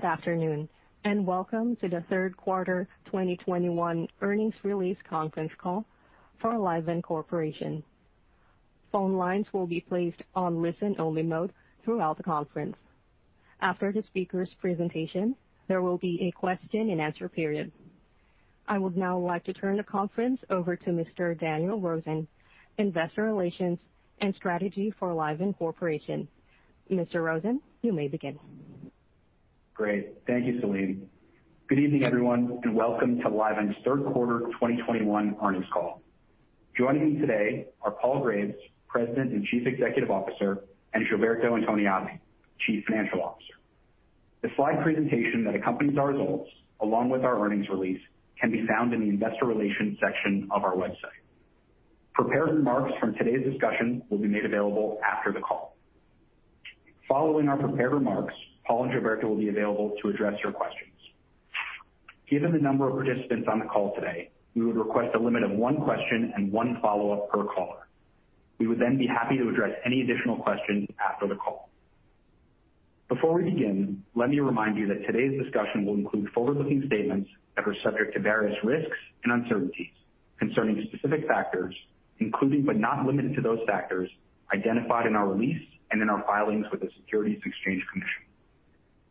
Good afternoon, and welcome to the third quarter 2021 earnings release conference call for Livent Corporation. Phone lines will be placed on listen-only mode throughout the conference. After the speaker's presentation, there will be a question and answer period. I would now like to turn the conference over to Mr. Daniel Rosen, investor relations and strategy for Livent Corporation. Mr. Rosen, you may begin. Great. Thank you, Celine. Good evening, everyone, and welcome to Livent's third quarter 2021 earnings call. Joining me today are Paul Graves, President and Chief Executive Officer, and Gilberto Antoniazzi, Chief Financial Officer. The slide presentation that accompanies our results, along with our earnings release, can be found in the investor relations section of our website. Prepared remarks from today's discussion will be made available after the call. Following our prepared remarks, Paul and Gilberto will be available to address your questions. Given the number of participants on the call today, we would request a limit of one question and one follow-up per caller. We would then be happy to address any additional questions after the call. Before we begin, let me remind you that today's discussion will include forward-looking statements that are subject to various risks and uncertainties concerning specific factors, including, but not limited to, those factors identified in our release and in our filings with the Securities and Exchange Commission.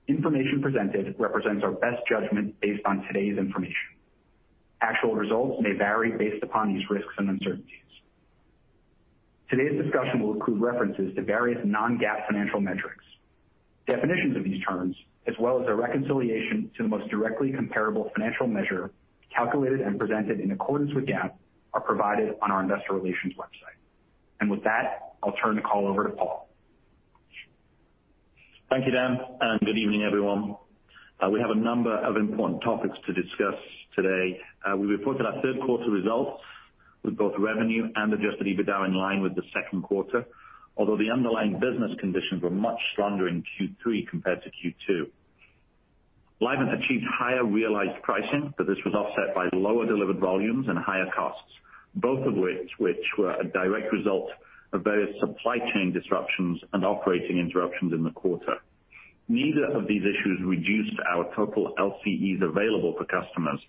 Information presented represents our best judgment based on today's information. Actual results may vary based upon these risks and uncertainties. Today's discussion will include references to various non-GAAP financial metrics. Definitions of these terms, as well as a reconciliation to the most directly comparable financial measure calculated and presented in accordance with GAAP, are provided on our investor relations website. With that, I'll turn the call over to Paul. Thank you, Dan, and good evening, everyone. We have a number of important topics to discuss today. We reported our third quarter results with both revenue and adjusted EBITDA in line with the second quarter, although the underlying business conditions were much stronger in Q3 compared to Q2. Livent achieved higher realized pricing, but this was offset by lower delivered volumes and higher costs, both of which were a direct result of various supply chain disruptions and operating interruptions in the quarter. Neither of these issues reduced our total LCEs available for customers,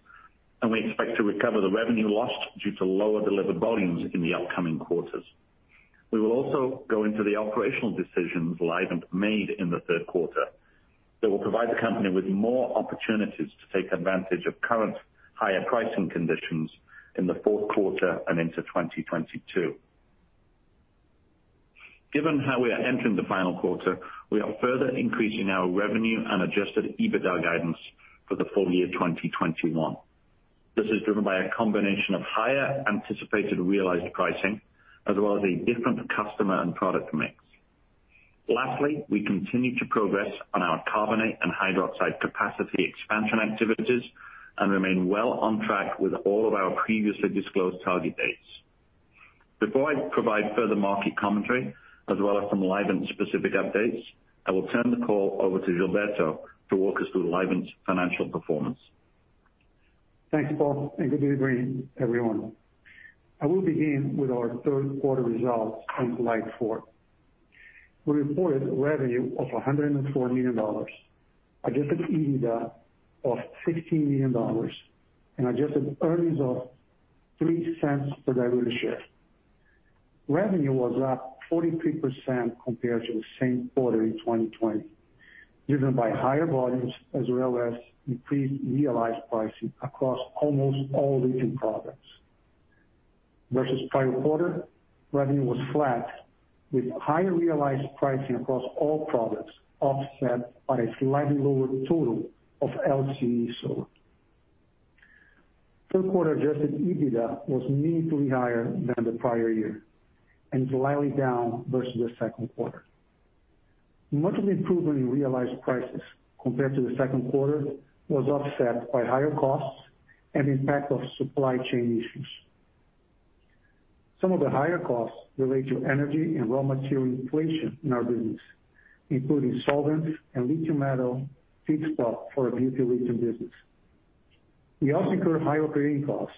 and we expect to recover the revenue lost due to lower delivered volumes in the upcoming quarters. We will also go into the operational decisions Livent made in the third quarter that will provide the company with more opportunities to take advantage of current higher pricing conditions in the fourth quarter and into 2022. Given how we are entering the final quarter, we are further increasing our revenue and adjusted EBITDA guidance for the full year 2021. This is driven by a combination of higher anticipated realized pricing as well as a different customer and product mix. Lastly, we continue to progress on our carbonate and hydroxide capacity expansion activities and remain well on track with all of our previously disclosed target dates. Before I provide further market commentary as well as some Livent specific updates, I will turn the call over to Gilberto to walk us through Livent's financial performance. Thanks, Paul, and good evening, everyone. I will begin with our third quarter results in slide four. We reported revenue of $104 million, adjusted EBITDA of $16 million, and adjusted earnings of $0.03 per diluted share. Revenue was up 43% compared to the same quarter in 2020, driven by higher volumes as well as increased realized pricing across almost all lithium products. Versus prior quarter, revenue was flat with higher realized pricing across all products, offset by a slightly lower total of LCE sold. Third quarter adjusted EBITDA was meaningfully higher than the prior year and slightly down versus the second quarter. Much of the improvement in realized prices compared to the second quarter was offset by higher costs and impact of supply chain issues. Some of the higher costs relate to energy and raw material inflation in our business, including solvents and lithium metal feedstock for our butyllithium business. We also incurred higher operating costs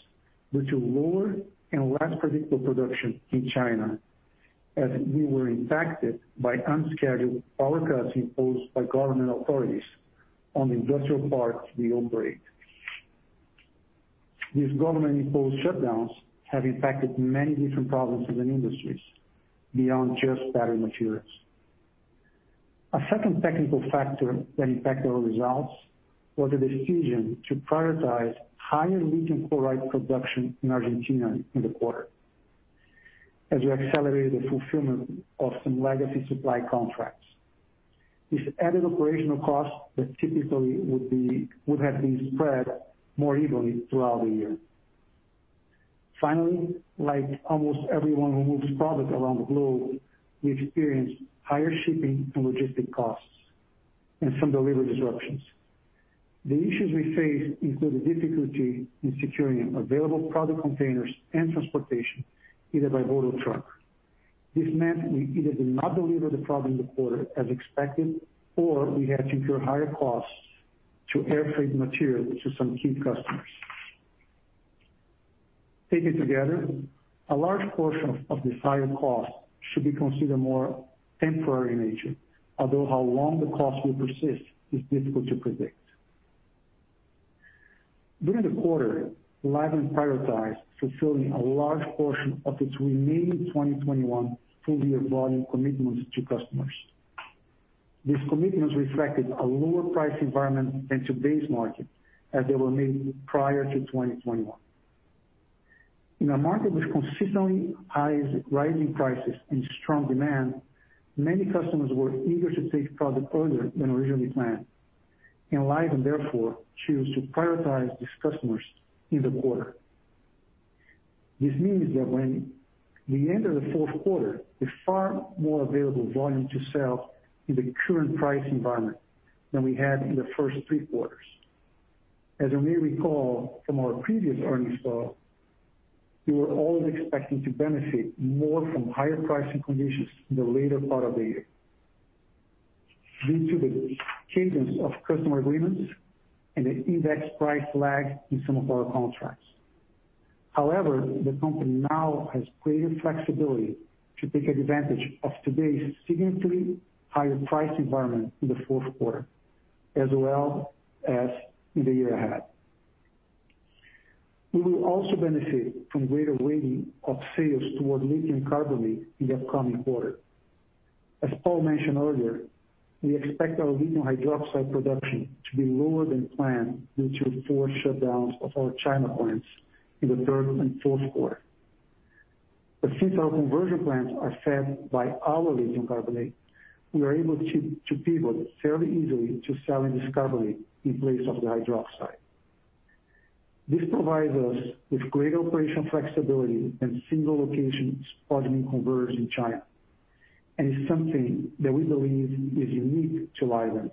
due to lower and less predictable production in China as we were impacted by unscheduled power cuts imposed by government authorities on industrial parks we operate. These government-imposed shutdowns have impacted many different provinces and industries beyond just battery materials. A second technical factor that impacted our results was the decision to prioritize higher lithium chloride production in Argentina in the quarter as we accelerated the fulfillment of some legacy supply contracts. These added operational costs that typically would have been spread more evenly throughout the year. Finally, like almost everyone who moves product around the globe, we experienced higher shipping and logistics costs and some delivery disruptions. The issues we face include the difficulty in securing available product containers and transportation, either by boat or truck. This meant we either did not deliver the product in the quarter as expected, or we had to incur higher costs to airfreight material to some key customers. Taken together, a large portion of the higher costs should be considered more temporary in nature, although how long the cost will persist is difficult to predict. During the quarter, Livent prioritized fulfilling a large portion of its remaining 2021 full year volume commitments to customers. These commitments reflected a lower price environment and the base market as they were made prior to 2021. In a market with consistently high rising prices and strong demand, many customers were eager to take product earlier than originally planned. Livent therefore chose to prioritize these customers in the quarter. This means that by the end of the fourth quarter there is far more available volume to sell in the current price environment than we had in the first three quarters. As you may recall from our previous earnings call, we were always expecting to benefit more from higher pricing conditions in the later part of the year due to the cadence of customer agreements and the index price lag in some of our contracts. However, the company now has greater flexibility to take advantage of today's significantly higher price environment in the fourth quarter as well as in the year ahead. We will also benefit from greater weighting of sales toward lithium carbonate in the upcoming quarter. As Paul mentioned earlier, we expect our lithium hydroxide production to be lower than planned due to the forced shutdowns of our China plants in the third and fourth quarter. Since our conversion plants are fed by our lithium carbonate, we are able to pivot fairly easily to selling this carbonate in place of the hydroxide. This provides us with greater operational flexibility than single location spodumene converts in China. It's something that we believe is unique to Livent.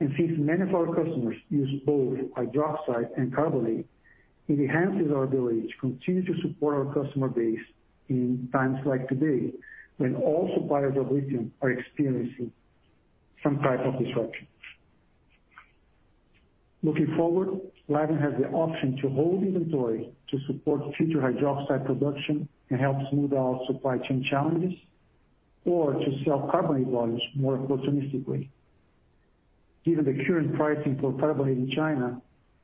Since many of our customers use both hydroxide and carbonate, it enhances our ability to continue to support our customer base in times like today, when all suppliers of lithium are experiencing some type of disruption. Looking forward, Livent has the option to hold inventory to support future hydroxide production and help smooth out supply chain challenges or to sell carbonate volumes more opportunistically. Given the current pricing for carbonate in China,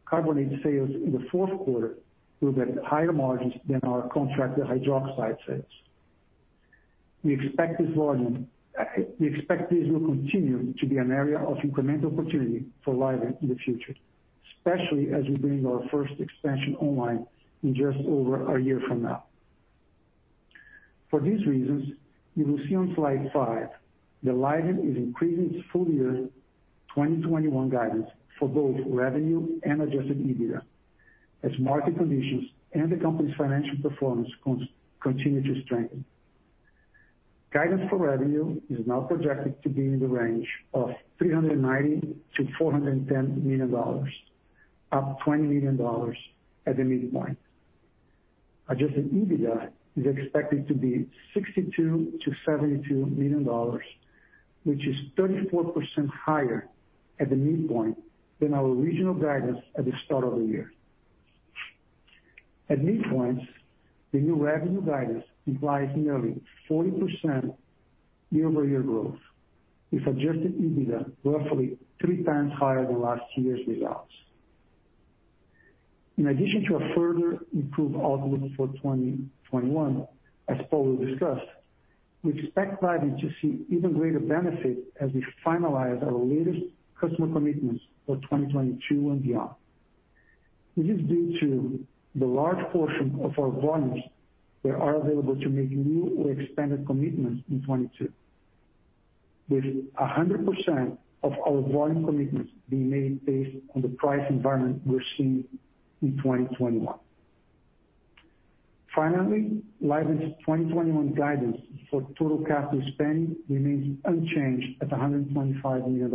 carbonate sales in the fourth quarter will get higher margins than our contracted hydroxide sales. We expect this will continue to be an area of incremental opportunity for Livent in the future, especially as we bring our first expansion online in just over a year from now. For these reasons, you will see on slide five that Livent is increasing its full year 2021 guidance for both revenue and adjusted EBITDA as market conditions and the company's financial performance continue to strengthen. Guidance for revenue is now projected to be in the range of $390 million-$410 million, up $20 million at the midpoint. Adjusted EBITDA is expected to be $62 million-$72 million, which is 34% higher at the midpoint than our original guidance at the start of the year. At midpoints, the new revenue guidance implies nearly 40% year-over-year growth, with adjusted EBITDA roughly three times higher than last year's results. In addition to a further improved outlook for 2021, as Paul will discuss, we expect Livent to see even greater benefit as we finalize our latest customer commitments for 2022 and beyond. This is due to the large portion of our volumes that are available to make new or expanded commitments in 2022, with 100% of our volume commitments being made based on the price environment we're seeing in 2021. Finally, Livent's 2021 guidance for total capital spend remains unchanged at $125 million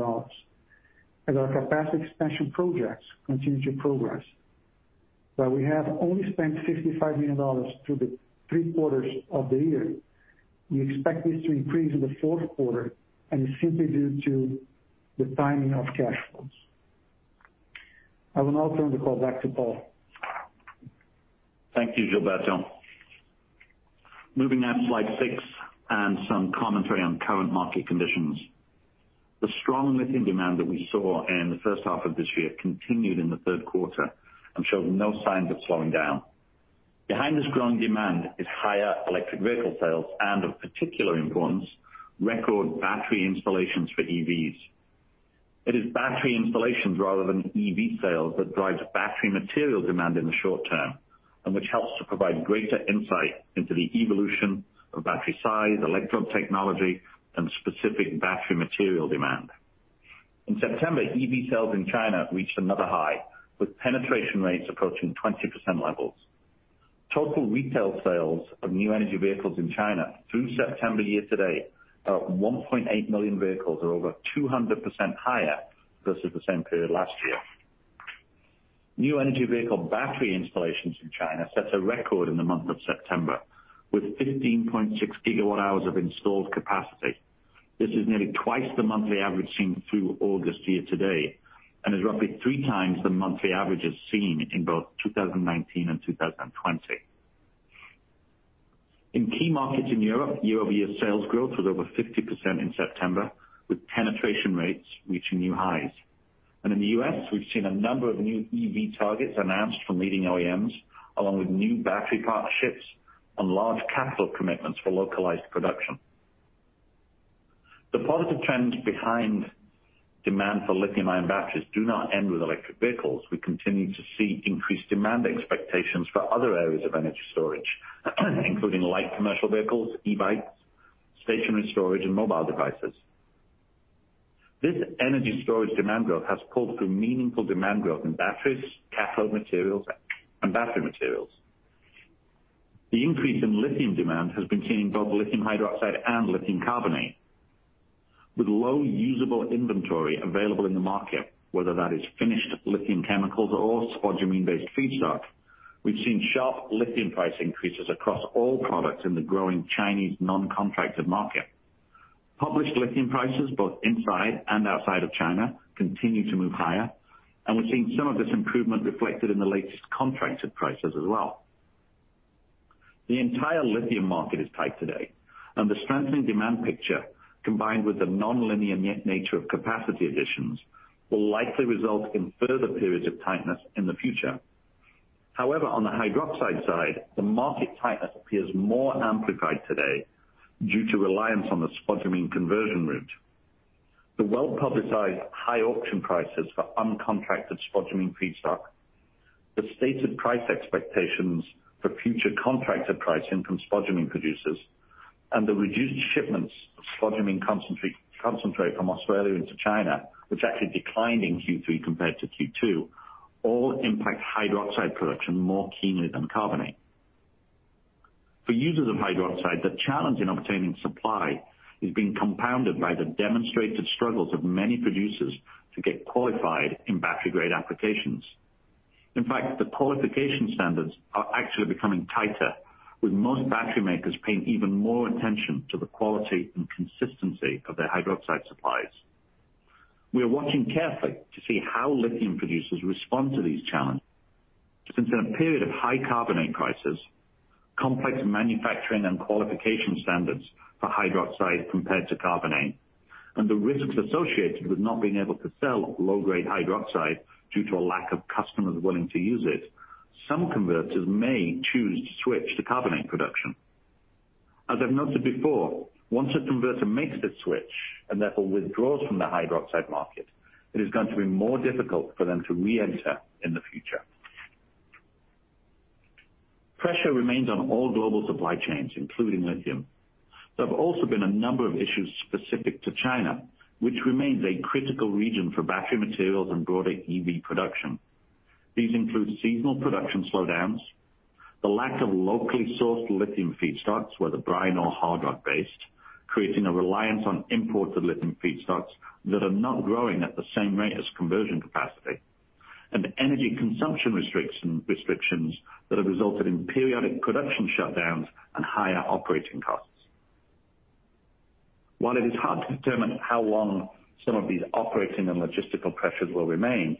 as our capacity expansion projects continue to progress. While we have only spent $55 million through the three quarters of the year, we expect this to increase in the fourth quarter and is simply due to the timing of cash flows. I will now turn the call back to Paul. Thank you, Gilberto. Moving now to slide six and some commentary on current market conditions. The strong lithium demand that we saw in the first half of this year continued in the third quarter and showed no signs of slowing down. Behind this growing demand is higher electric vehicle sales, and of particular importance, record battery installations for EVs. It is battery installations rather than EV sales that drives battery material demand in the short term, and which helps to provide greater insight into the evolution of battery size, electrode technology, and specific battery material demand. In September, EV sales in China reached another high, with penetration rates approaching 20% levels. Total retail sales of new energy vehicles in China through September year to date are at 1.8 million vehicles or over 200% higher versus the same period last year. New energy vehicle battery installations in China set a record in the month of September with 15.6 gigawatt hours of installed capacity. This is nearly twice the monthly average seen through August year to date, and is roughly three times the monthly averages seen in both 2019 and 2020. In key markets in Europe, year-over-year sales growth was over 50% in September, with penetration rates reaching new highs. In the U.S., we've seen a number of new EV targets announced from leading OEMs, along with new battery partnerships and large capital commitments for localized production. The positive trends behind demand for lithium-ion batteries do not end with electric vehicles. We continue to see increased demand expectations for other areas of energy storage, including light commercial vehicles, e-bikes, stationary storage and mobile devices. This energy storage demand growth has pulled through meaningful demand growth in batteries, cathode materials, and battery materials. The increase in lithium demand has been seen in both lithium hydroxide and lithium carbonate. With low usable inventory available in the market, whether that is finished lithium chemicals or spodumene based feedstock, we've seen sharp lithium price increases across all products in the growing Chinese non-contracted market. Published lithium prices both inside and outside of China continue to move higher, and we're seeing some of this improvement reflected in the latest contracted prices as well. The entire lithium market is tight today, and the strengthening demand picture, combined with the nonlinear nature of capacity additions, will likely result in further periods of tightness in the future. However, on the hydroxide side, the market tightness appears more amplified today due to reliance on the spodumene conversion route. The well-publicized high auction prices for uncontracted spodumene feedstock, the stated price expectations for future contracted pricing from spodumene producers, and the reduced shipments of spodumene concentrate from Australia into China, which actually declined in Q3 compared to Q2, all impact hydroxide production more keenly than carbonate. For users of hydroxide, the challenge in obtaining supply is being compounded by the demonstrated struggles of many producers to get qualified in battery-grade applications. In fact, the qualification standards are actually becoming tighter, with most battery makers paying even more attention to the quality and consistency of their hydroxide supplies. We are watching carefully to see how lithium producers respond to these challenges. Since in a period of high carbonate prices, complex manufacturing and qualification standards for hydroxide compared to carbonate, and the risks associated with not being able to sell low-grade hydroxide due to a lack of customers willing to use it, some converters may choose to switch to carbonate production. As I've noted before, once a converter makes the switch and therefore withdraws from the hydroxide market, it is going to be more difficult for them to reenter in the future. Pressure remains on all global supply chains, including lithium. There have also been a number of issues specific to China, which remains a critical region for battery materials and broader EV production. These include seasonal production slowdowns, the lack of locally sourced lithium feedstocks, whether brine or hard rock based, creating a reliance on imported lithium feedstocks that are not growing at the same rate as conversion capacity, and energy consumption restriction, restrictions that have resulted in periodic production shutdowns and higher operating costs. While it is hard to determine how long some of these operating and logistical pressures will remain,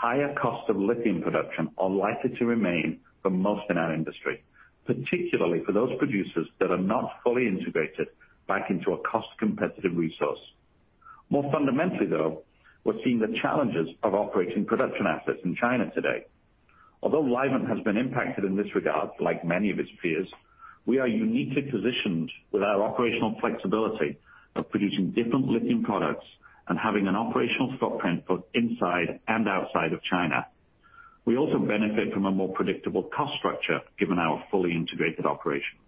higher costs of lithium production are likely to remain for most in our industry, particularly for those producers that are not fully integrated back into a cost-competitive resource. More fundamentally, though, we're seeing the challenges of operating production assets in China today. Although Livent has been impacted in this regard, like many of its peers, we are uniquely positioned with our operational flexibility of producing different lithium products and having an operational footprint both inside and outside of China. We also benefit from a more predictable cost structure given our fully integrated operations.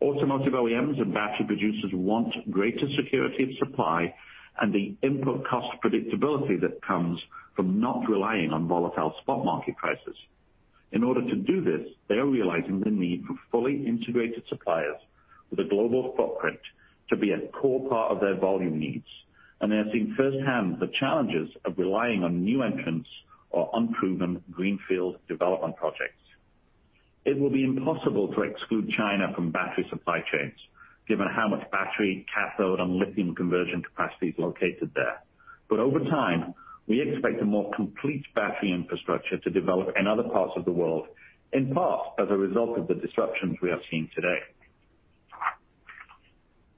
Automotive OEMs and battery producers want greater security of supply and the input cost predictability that comes from not relying on volatile spot market prices. In order to do this, they are realizing the need for fully integrated suppliers with a global footprint to be a core part of their volume needs, and they are seeing firsthand the challenges of relying on new entrants or unproven greenfield development projects. It will be impossible to exclude China from battery supply chains given how much battery cathode and lithium conversion capacity is located there. Over time, we expect a more complete battery infrastructure to develop in other parts of the world, in part as a result of the disruptions we are seeing today.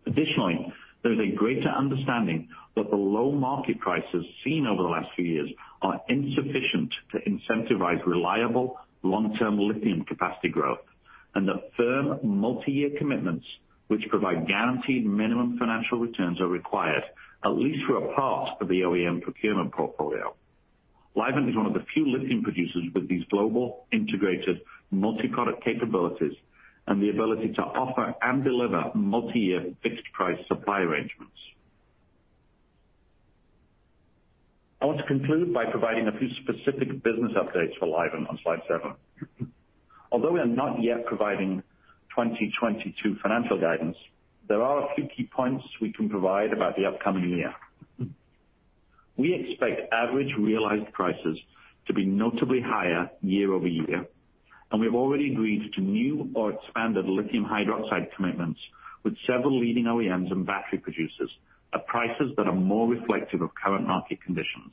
Additionally, there is a greater understanding that the low market prices seen over the last few years are insufficient to incentivize reliable long-term lithium capacity growth and that firm multi year commitments which provide guaranteed minimum financial returns are required at least for a part of the OEM procurement portfolio. Livent is one of the few lithium producers with these global integrated multi-product capabilities and the ability to offer and deliver multi-year fixed price supply arrangements. I want to conclude by providing a few specific business updates for Livent on slide seven. Although we are not yet providing 2022 financial guidance, there are a few key points we can provide about the upcoming year. We expect average realized prices to be notably higher year-over-year, and we've already agreed to new or expanded lithium hydroxide commitments with several leading OEMs and battery producers at prices that are more reflective of current market conditions.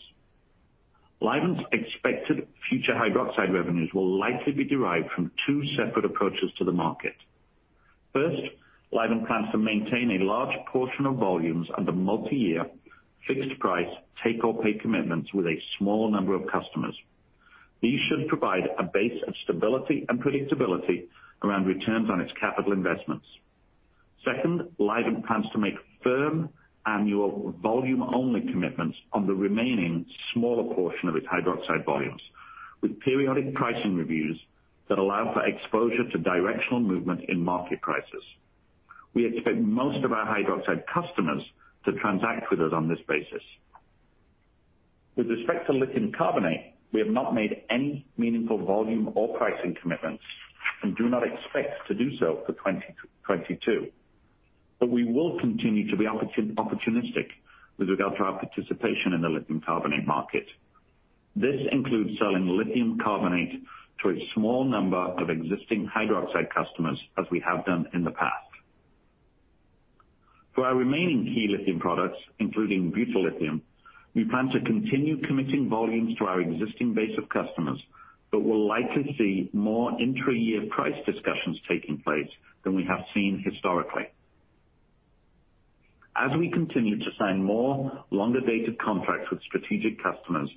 Livent's expected future hydroxide revenues will likely be derived from two separate approaches to the market. First, Livent plans to maintain a large portion of volumes under multiyear fixed-price take-or-pay commitments with a small number of customers. These should provide a base of stability and predictability around returns on its capital investments. Second, Livent plans to make firm annual volume-only commitments on the remaining smaller portion of its hydroxide volumes, with periodic pricing reviews that allow for exposure to directional movement in market prices. We expect most of our hydroxide customers to transact with us on this basis. With respect to lithium carbonate, we have not made any meaningful volume or pricing commitments and do not expect to do so for 2022. We will continue to be opportunistic with regard to our participation in the lithium carbonate market. This includes selling lithium carbonate to a small number of existing hydroxide customers, as we have done in the past. For our remaining key lithium products, including butyllithium, we plan to continue committing volumes to our existing base of customers, but we'll likely see more intra-year price discussions taking place than we have seen historically. As we continue to sign more longer-dated contracts with strategic customers,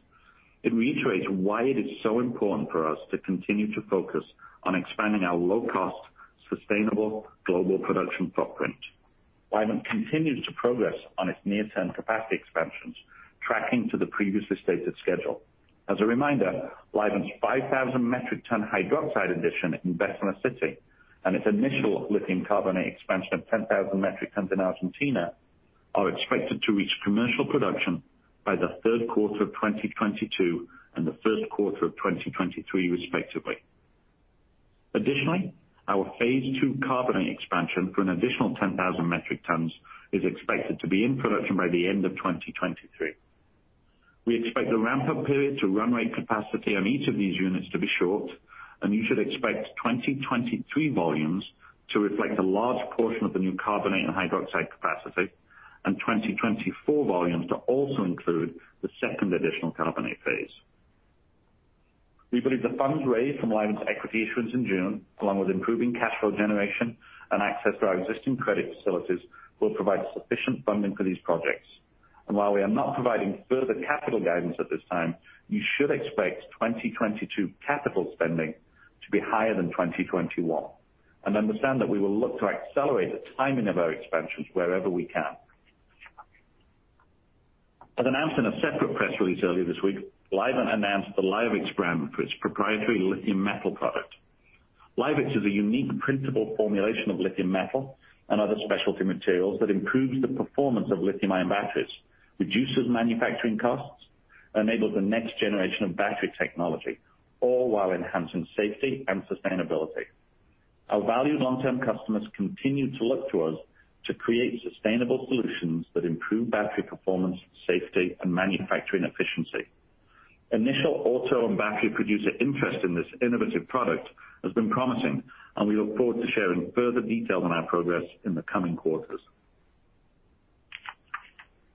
it reiterates why it is so important for us to continue to focus on expanding our low-cost, sustainable global production footprint. Livent continues to progress on its near-term capacity expansions, tracking to the previously stated schedule. As a reminder, Livent's 5,000 metric ton hydroxide addition in Bessemer City and its initial lithium carbonate expansion of 10,000 metric tons in Argentina are expected to reach commercial production by the third quarter of 2022 and the first quarter of 2023 respectively. Additionally, our phase two carbonate expansion for an additional 10,000 metric tons is expected to be in production by the end of 2023. We expect the ramp-up period to run rate capacity on each of these units to be short, and you should expect 2023 volumes to reflect a large portion of the new carbonate and hydroxide capacity and 2024 volumes to also include the second additional carbonate phase. We believe the funds raised from Livent's equity issuance in June, along with improving cash flow generation and access to our existing credit facilities, will provide sufficient funding for these projects. While we are not providing further capital guidance at this time, you should expect 2022 capital spending to be higher than 2021 and understand that we will look to accelerate the timing of our expansions wherever we can. As announced in a separate press release earlier this week, Livent announced the LIOVIX brand for its proprietary lithium metal product. LIOVIX is a unique printable formulation of lithium metal and other specialty materials that improves the performance of lithium-ion batteries, reduces manufacturing costs, enables the next generation of battery technology, all while enhancing safety and sustainability. Our valued long-term customers continue to look to us to create sustainable solutions that improve battery performance, safety, and manufacturing efficiency. Initial auto and battery producer interest in this innovative product has been promising, and we look forward to sharing further detail on our progress in the coming quarters.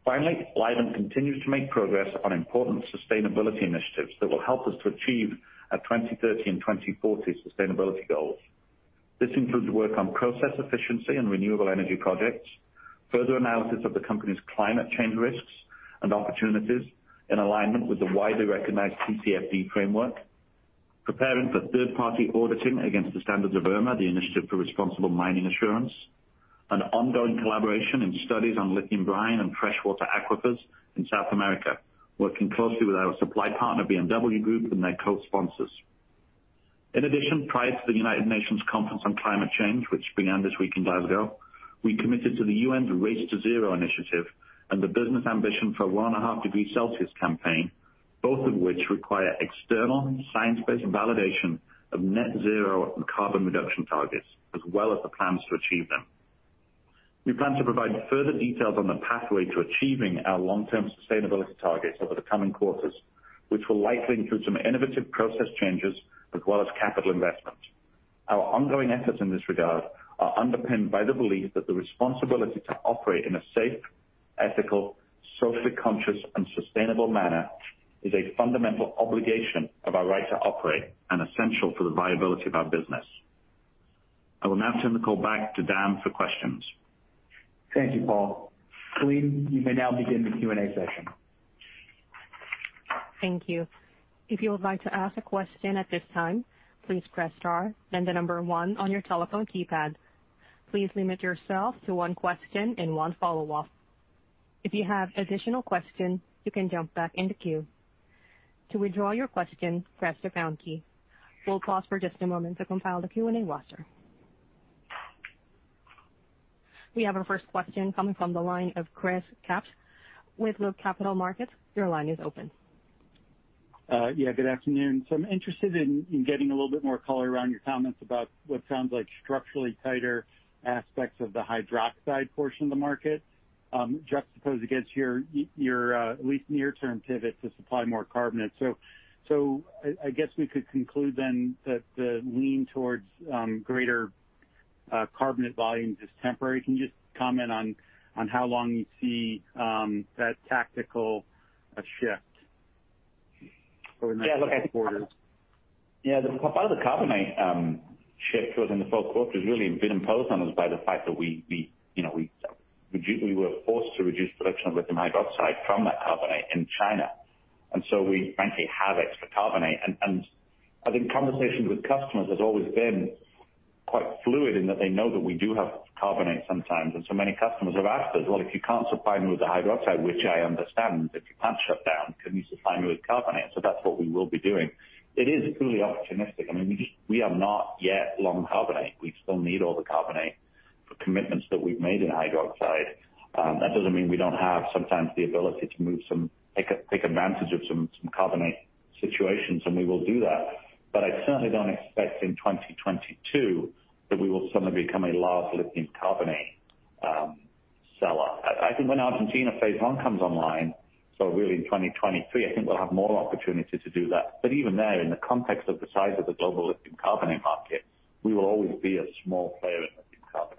Finally, Livent continues to make progress on important sustainability initiatives that will help us to achieve our 2030 and 2040 sustainability goals. This includes work on process efficiency and renewable energy projects, further analysis of the company's climate change risks and opportunities in alignment with the widely recognized TCFD framework, preparing for third-party auditing against the standards of IRMA, the Initiative for Responsible Mining Assurance, and ongoing collaboration in studies on lithium brine and freshwater aquifers in South America, working closely with our supply partner, BMW Group, and their co-sponsors. In addition, prior to the United Nations Conference on Climate Change, which began this week in Dubai, we committed to the UN's Race to Zero initiative and the Business Ambition for 1.5 degrees Celsius campaign, both of which require external science-based validation of net zero and carbon reduction targets as well as the plans to achieve them. We plan to provide further details on the pathway to achieving our long-term sustainability targets over the coming quarters, which will likely include some innovative process changes as well as capital investment. Our ongoing efforts in this regard are underpinned by the belief that the responsibility to operate in a safe, ethical, socially conscious, and sustainable manner is a fundamental obligation of our right to operate and essential for the viability of our business. I will now turn the call back to Dan for questions. Thank you, Paul. Celine, you may now begin the Q&A session. Thank you. If you would like to ask a question at this time, please press star then the number one on your telephone keypad. Please limit yourself to one question and one follow-up. If you have additional questions, you can jump back in the queue. To withdraw your question, press the pound key. We'll pause for just a moment to compile the Q&A roster. We have our first question coming from the line of Chris Kapsch with Loop Capital Markets. Your line is open. Good afternoon. I'm interested in getting a little bit more color around your comments about what sounds like structurally tighter aspects of the hydroxide portion of the market, juxtaposed against your at least near-term pivot to supply more carbonate. I guess we could conclude then that the lean towards greater carbonate volumes is temporary. Can you just comment on how long you see that tactical shift over the next couple of quarters? Yeah. The part of the carbonate shift was in the fourth quarter has really been imposed on us by the fact that we were forced to reduce production of lithium hydroxide from that carbonate in China. We frankly have extra carbonate. I think conversations with customers has always been quite fluid and that they know that we do have carbonate sometimes. Many customers have asked us, "Well, if you can't supply me with the hydroxide, which I understand if you can't shut down, can you supply me with carbonate?" That's what we will be doing. It is truly opportunistic. We are not yet long carbonate. We still need all the carbonate for commitments that we've made in hydroxide. That doesn't mean we don't have sometimes the ability to move some take advantage of some carbonate situations, and we will do that. I certainly don't expect in 2022 that we will suddenly become a large lithium carbonate seller. I think when Argentina phase one comes online, so really in 2023, I think we'll have more opportunity to do that. Even now, in the context of the size of the global lithium carbonate market, we will always be a small player in lithium carbonate.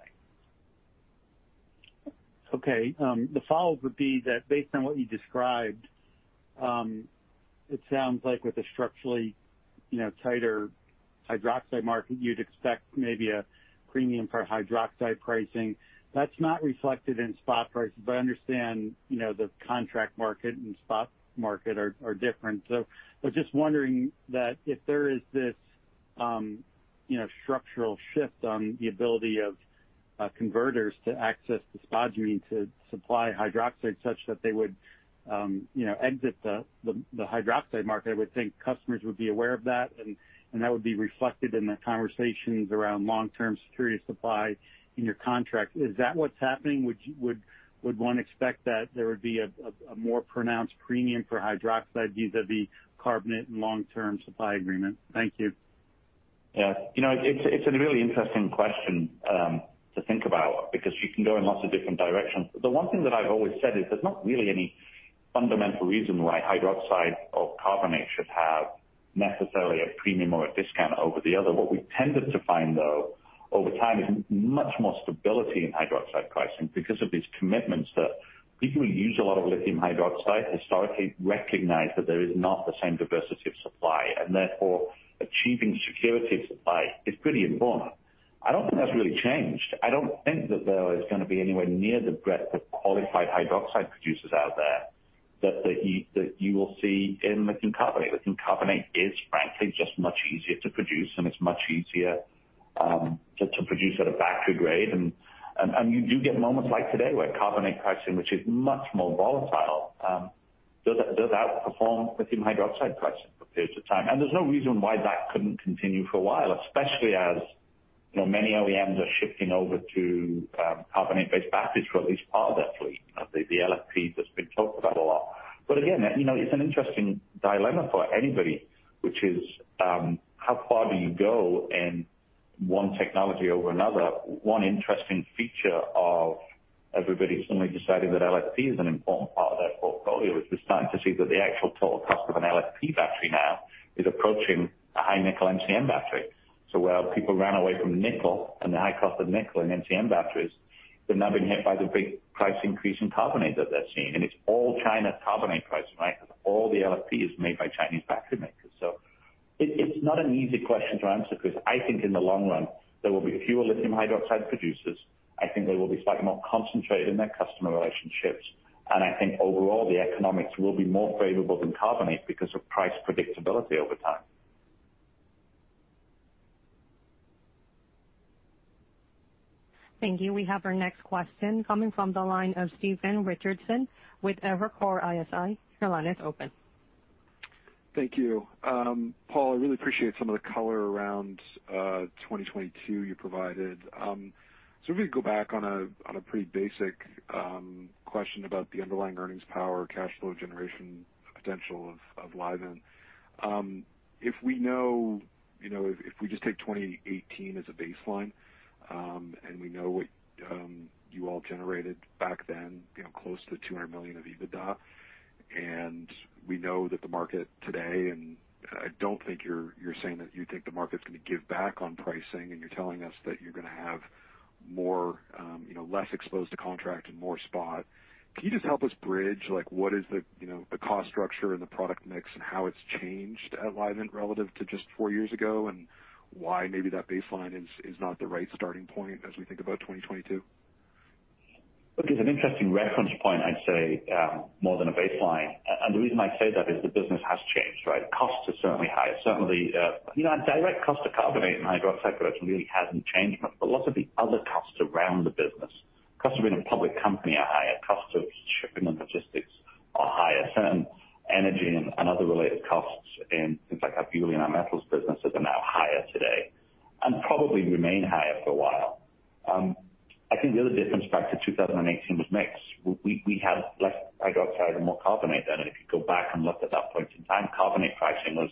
Okay. The follow-up would be that based on what you described, it sounds like with a structurally, you know, tighter hydroxide market, you'd expect maybe a premium for hydroxide pricing. That's not reflected in spot prices, but I understand, you know, the contract market and spot market are different. I was just wondering that if there is this, you know, structural shift on the ability of converters to access the spodumene to supply hydroxide such that they would, you know, exit the hydroxide market, I would think customers would be aware of that, and that would be reflected in the conversations around long-term security of supply in your contract. Is that what's happening? Would one expect that there would be a more pronounced premium for hydroxide vis-à-vis carbonate and long-term supply agreement? Thank you. Yeah. You know, it's a really interesting question to think about because you can go in lots of different directions. The one thing that I've always said is there's not really any fundamental reason why hydroxide or carbonate should have necessarily a premium or a discount over the other. What we've tended to find, though, over time is much more stability in hydroxide pricing because of these commitments that people who use a lot of lithium hydroxide historically recognize that there is not the same diversity of supply. Therefore, achieving security of supply is pretty important. I don't think that's really changed. I don't think that there is gonna be anywhere near the breadth of qualified hydroxide producers out there that you will see in lithium carbonate. Lithium carbonate is frankly just much easier to produce, and it's much easier to produce at a battery grade. You do get moments like today where carbonate pricing, which is much more volatile, does outperform lithium hydroxide pricing for periods of time. There's no reason why that couldn't continue for a while, especially as you know, many OEMs are shifting over to carbonate-based batteries for at least part of their fleet, you know, the LFP that's been talked about a lot. Again, you know, it's an interesting dilemma for anybody, which is how far do you go in one technology over another? One interesting feature of everybody suddenly deciding that LFP is an important part of their portfolio is we're starting to see that the actual total cost of an LFP battery now is approaching a high nickel NCM battery. Where people ran away from nickel and the high cost of nickel in NCM batteries, they're now being hit by the big price increase in carbonate that they're seeing. It's all China carbonate pricing, right? 'Cause all the LFP is made by Chinese battery makers. It, it's not an easy question to answer 'cause I think in the long run, there will be fewer lithium hydroxide producers. I think they will be slightly more concentrated in their customer relationships. I think overall, the economics will be more favorable than carbonate because of price predictability over time. Thank you. We have our next question coming from the line of Stephen Richardson with Evercore ISI. Your line is open. Thank you. Paul, I really appreciate some of the color around 2022 you provided. So if we could go back on a pretty basic question about the underlying earnings power, cash flow generation potential of Livent. If we know, you know, if we just take 2018 as a baseline, and we know what you all generated back then, you know, close to $200 million of EBITDA, and we know that the market today, and I don't think you're saying that you think the market's gonna give back on pricing, and you're telling us that you're gonna have more, you know, less exposed to contract and more spot. Can you just help us bridge, like, what is the, you know, the cost structure and the product mix and how it's changed at Livent relative to just four years ago, and why maybe that baseline is not the right starting point as we think about 2022? Look, it's an interesting reference point, I'd say, more than a baseline. The reason I say that is the business has changed, right? Costs are certainly higher. Certainly, you know, our direct cost of carbonate and hydroxide production really hasn't changed much, but lots of the other costs around the business. Costs of being a public company are higher. Costs of shipping and logistics are higher. Certain energy and other related costs in things like our fuel and our metals businesses are now higher today and probably remain high for a while. I think the other difference back to 2018 was mix. We had less hydroxide and more carbonate then. If you go back and look at that point in time, carbonate pricing was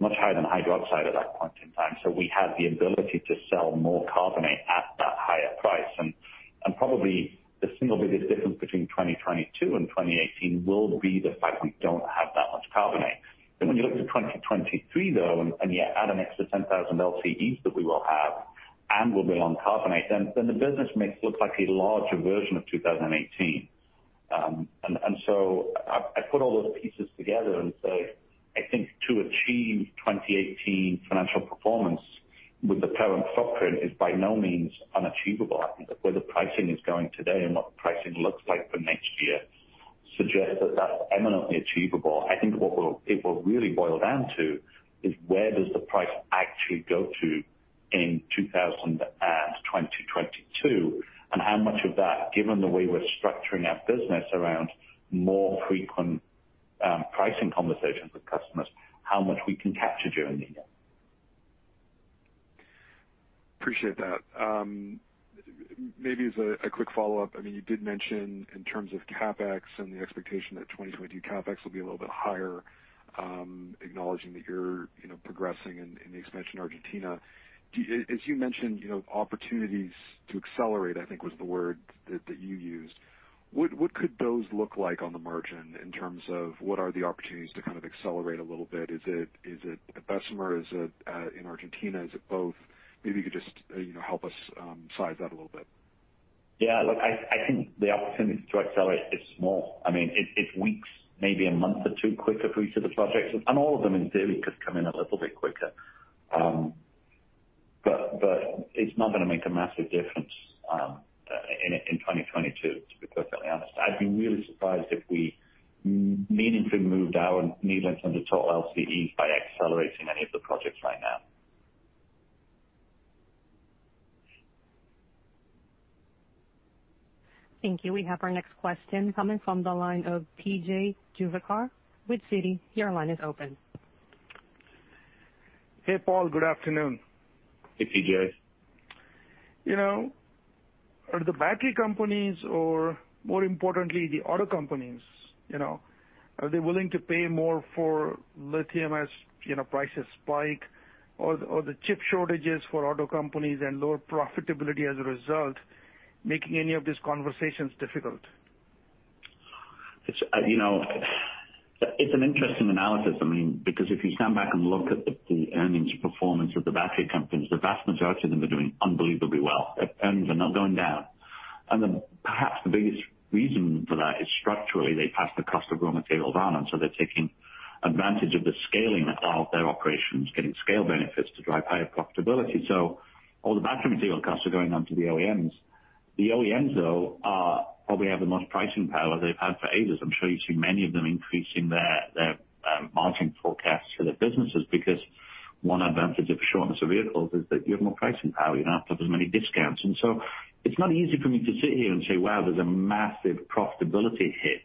much higher than hydroxide at that point in time. We had the ability to sell more carbonate at that higher price. Probably the single biggest difference between 2022 and 2018 will be the fact we don't have that much carbonate. When you look to 2023, though, you add an extra 10,000 LCEs that we will have and we'll be on carbonate, the business mix looks like a larger version of 2018. So I put all those pieces together and say, I think to achieve 2018 financial performance with the current footprint is by no means unachievable. I think that where the pricing is going today and what the pricing looks like for next year suggests that that's eminently achievable. I think it will really boil down to is where does the price actually go to in 2022, and how much of that, given the way we're structuring our business around more frequent, pricing conversations with customers, how much we can capture during the year. Appreciate that. Maybe as a quick follow-up, I mean, you did mention in terms of CapEx and the expectation that 2022 CapEx will be a little bit higher, acknowledging that you're, you know, progressing in the expansion Argentina. As you mentioned, you know, opportunities to accelerate, I think, was the word that you used. What could those look like on the margin in terms of what are the opportunities to kind of accelerate a little bit? Is it at Bessemer? Is it in Argentina? Is it both? Maybe you could just, you know, help us size that a little bit. Yeah. Look, I think the opportunities to accelerate is small. I mean, it's weeks, maybe a month or two quicker for each of the projects, and all of them in theory could come in a little bit quicker. But it's not gonna make a massive difference in 2022, to be perfectly honest. I'd be really surprised if we meaningfully moved our needle in terms of total LCE by accelerating any of the projects right now. Thank you. We have our next question coming from the line of P.J. Juvekar with Citi. Your line is open. Hey, Paul. Good afternoon. Hey, PJ. You know, are the battery companies or more importantly the auto companies, you know, are they willing to pay more for lithium as, you know, prices spike or the chip shortages for auto companies and lower profitability as a result, making any of these conversations difficult? It's you know, it's an interesting analysis. I mean, because if you stand back and look at the earnings performance of the battery companies, the vast majority of them are doing unbelievably well. Earnings are not going down. Then perhaps the biggest reason for that is structurally, they pass the cost of raw material down, and so they're taking advantage of the scaling of their operations, getting scale benefits to drive higher profitability. All the battery material costs are going on to the OEMs. The OEMs, though, probably have the most pricing power they've had for ages. I'm sure you see many of them increasing their margin forecasts for their businesses because one advantage of shortage of vehicles is that you have more pricing power. You don't have to offer as many discounts. It's not easy for me to sit here and say, "Wow, there's a massive profitability hit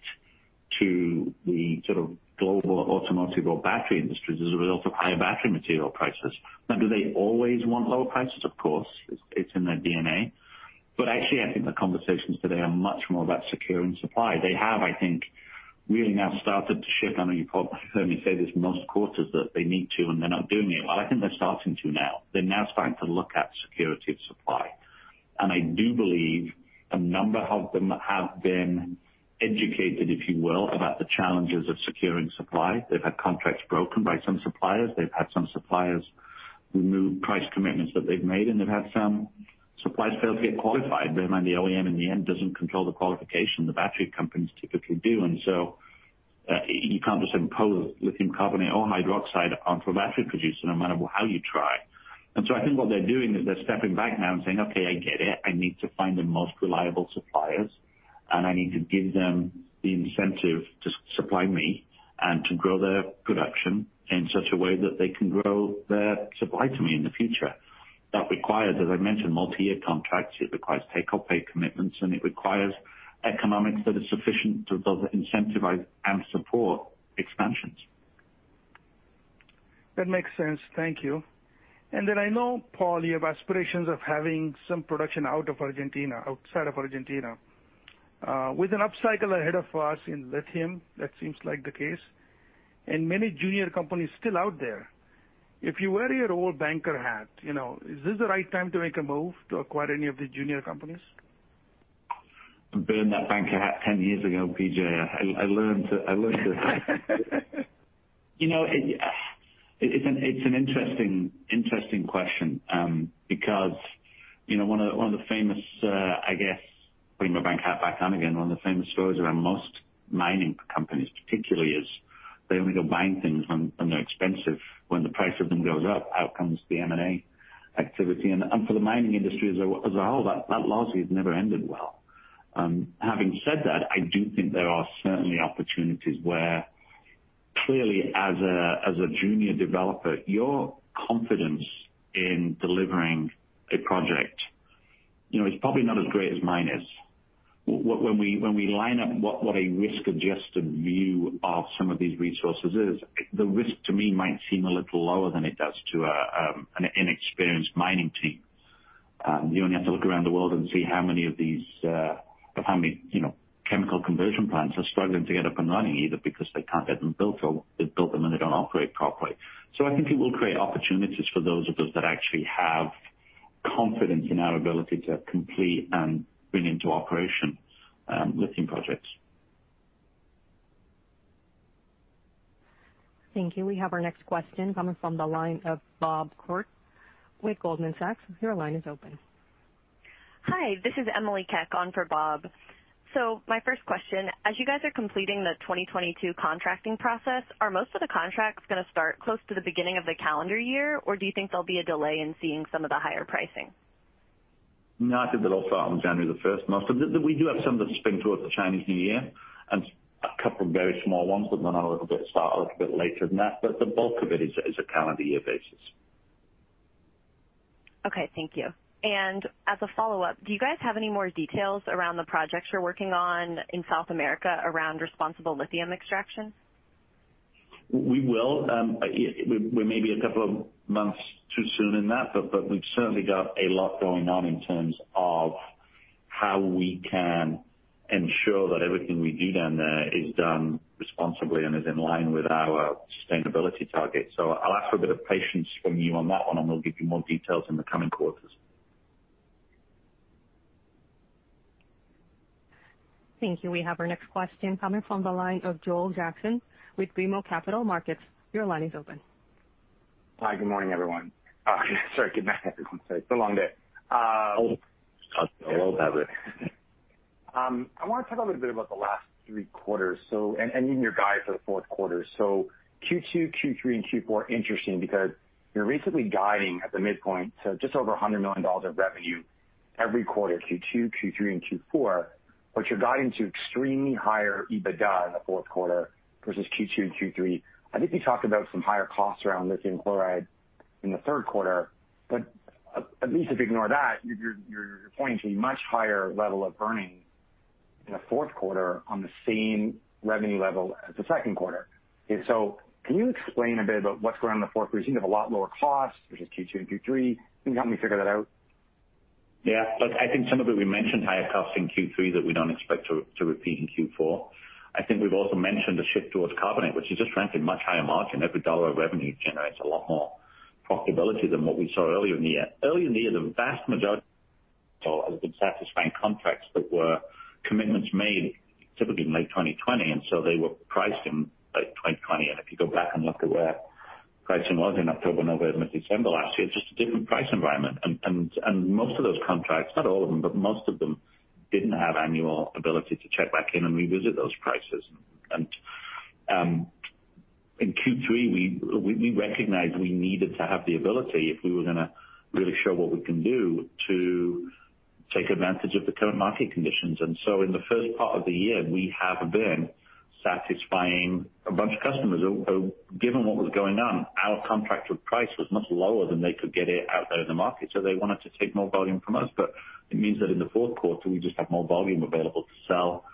to the sort of global automotive or battery industries as a result of higher battery material prices." Now, do they always want lower prices? Of course. It's in their DNA. Actually, I think the conversations today are much more about securing supply. They have, I think, really now started to shift. I know you've probably heard me say this most quarters that they need to, and they're not doing it. Well, I think they're starting to now. They're now starting to look at security of supply. I do believe a number of them have been educated, if you will, about the challenges of securing supply. They've had contracts broken by some suppliers. They've had some suppliers remove price commitments that they've made, and they've had some suppliers fail to get qualified. Bear in mind, the OEM in the end doesn't control the qualification, the battery companies typically do, and so, you can't just impose lithium carbonate or hydroxide onto a battery producer, no matter how you try. I think what they're doing is they're stepping back now and saying, "Okay, I get it. I need to find the most reliable suppliers, and I need to give them the incentive to supply me and to grow their production in such a way that they can grow their supply to me in the future." That requires, as I mentioned, multi-year contracts, it requires take or pay commitments, and it requires economics that are sufficient to both incentivize and support expansions. That makes sense. Thank you. I know, Paul, you have aspirations of having some production out of Argentina, outside of Argentina. With an upcycle ahead of us in lithium, that seems like the case, and many junior companies still out there. If you wear your old banker hat, you know, is this the right time to make a move to acquire any of the junior companies? I burned that banker hat 10 years ago, PJ. I learned to. You know, it's an interesting question, because, you know, one of the famous, I guess, putting my bank hat back on again, one of the famous stories around most mining companies particularly is they only go buying things when they're expensive. When the price of them goes up, out comes the M&A activity. For the mining industry as a whole, that lousily has never ended well. Having said that, I do think there are certainly opportunities where clearly as a junior developer, your confidence in delivering a project. You know, it's probably not as great as mine is. When we line up what a risk-adjusted view of some of these resources is, the risk to me might seem a little lower than it does to an inexperienced mining team. You only have to look around the world and see how many of these or how many, you know, chemical conversion plants are struggling to get up and running, either because they can't get them built or they build them, and they don't operate properly. I think it will create opportunities for those of us that actually have confidence in our ability to complete and bring into operation lithium projects. Thank you. We have our next question coming from the line of Bob Koort with Goldman Sachs. Your line is open. Hi, this is Emily Chieng on for Bob. My first question, as you guys are completing the 2022 contracting process, are most of the contracts gonna start close to the beginning of the calendar year, or do you think there'll be a delay in seeing some of the higher pricing? No, I think they'll all start on January the first. Most of them. We do have some that spring towards the Chinese New Year and a couple of very small ones that might start a little bit later than that, but the bulk of it is a calendar year basis. Okay, thank you. As a follow-up, do you guys have any more details around the projects you're working on in South America around responsible lithium extraction? We will. We may be a couple of months too soon in that, but we've certainly got a lot going on in terms of how we can ensure that everything we do down there is done responsibly and is in line with our sustainability targets. I'll ask for a bit of patience from you on that one, and we'll give you more details in the coming quarters. Thank you. We have our next question coming from the line of Joel Jackson with BMO Capital Markets. Your line is open. Hi. Good morning, everyone. Sorry. It's a long day. Oh, trust me. I know about it. I wanna talk a little bit about the last three quarters, and even your guide for the fourth quarter. Q2, Q3, and Q4 are interesting because you're recently guiding at the midpoint to just over $100 million of revenue every quarter, Q2, Q3, and Q4, but you're guiding to extremely higher EBITDA in the fourth quarter versus Q2 and Q3. I think you talked about some higher costs around lithium chloride in the third quarter, but at least if you ignore that, you're pointing to a much higher level of earnings in the fourth quarter on the same revenue level as the second quarter. Can you explain a bit about what's going on in the fourth quarter? You seem to have a lot lower costs versus Q2 and Q3. Can you help me figure that out? Yeah. Look, I think some of it we mentioned higher costs in Q3 that we don't expect to repeat in Q4. I think we've also mentioned a shift towards carbonate, which is just frankly much higher margin. Every dollar of revenue generates a lot more profitability than what we saw earlier in the year. Earlier in the year, the vast majority we've been satisfying contracts that were commitments made typically in late 2020, so they were priced in late 2020. If you go back and look at where pricing was in October, November, and December last year, it's just a different price environment. Most of those contracts, not all of them, but most of them didn't have annual ability to check back in and revisit those prices. In Q3, we recognized we needed to have the ability if we were gonna really show what we can do to take advantage of the current market conditions. In the first part of the year, we have been satisfying a bunch of customers who, given what was going on, our contracted price was much lower than they could get it out there in the market, so they wanted to take more volume from us. It means that in the fourth quarter, we just have more volume available to sell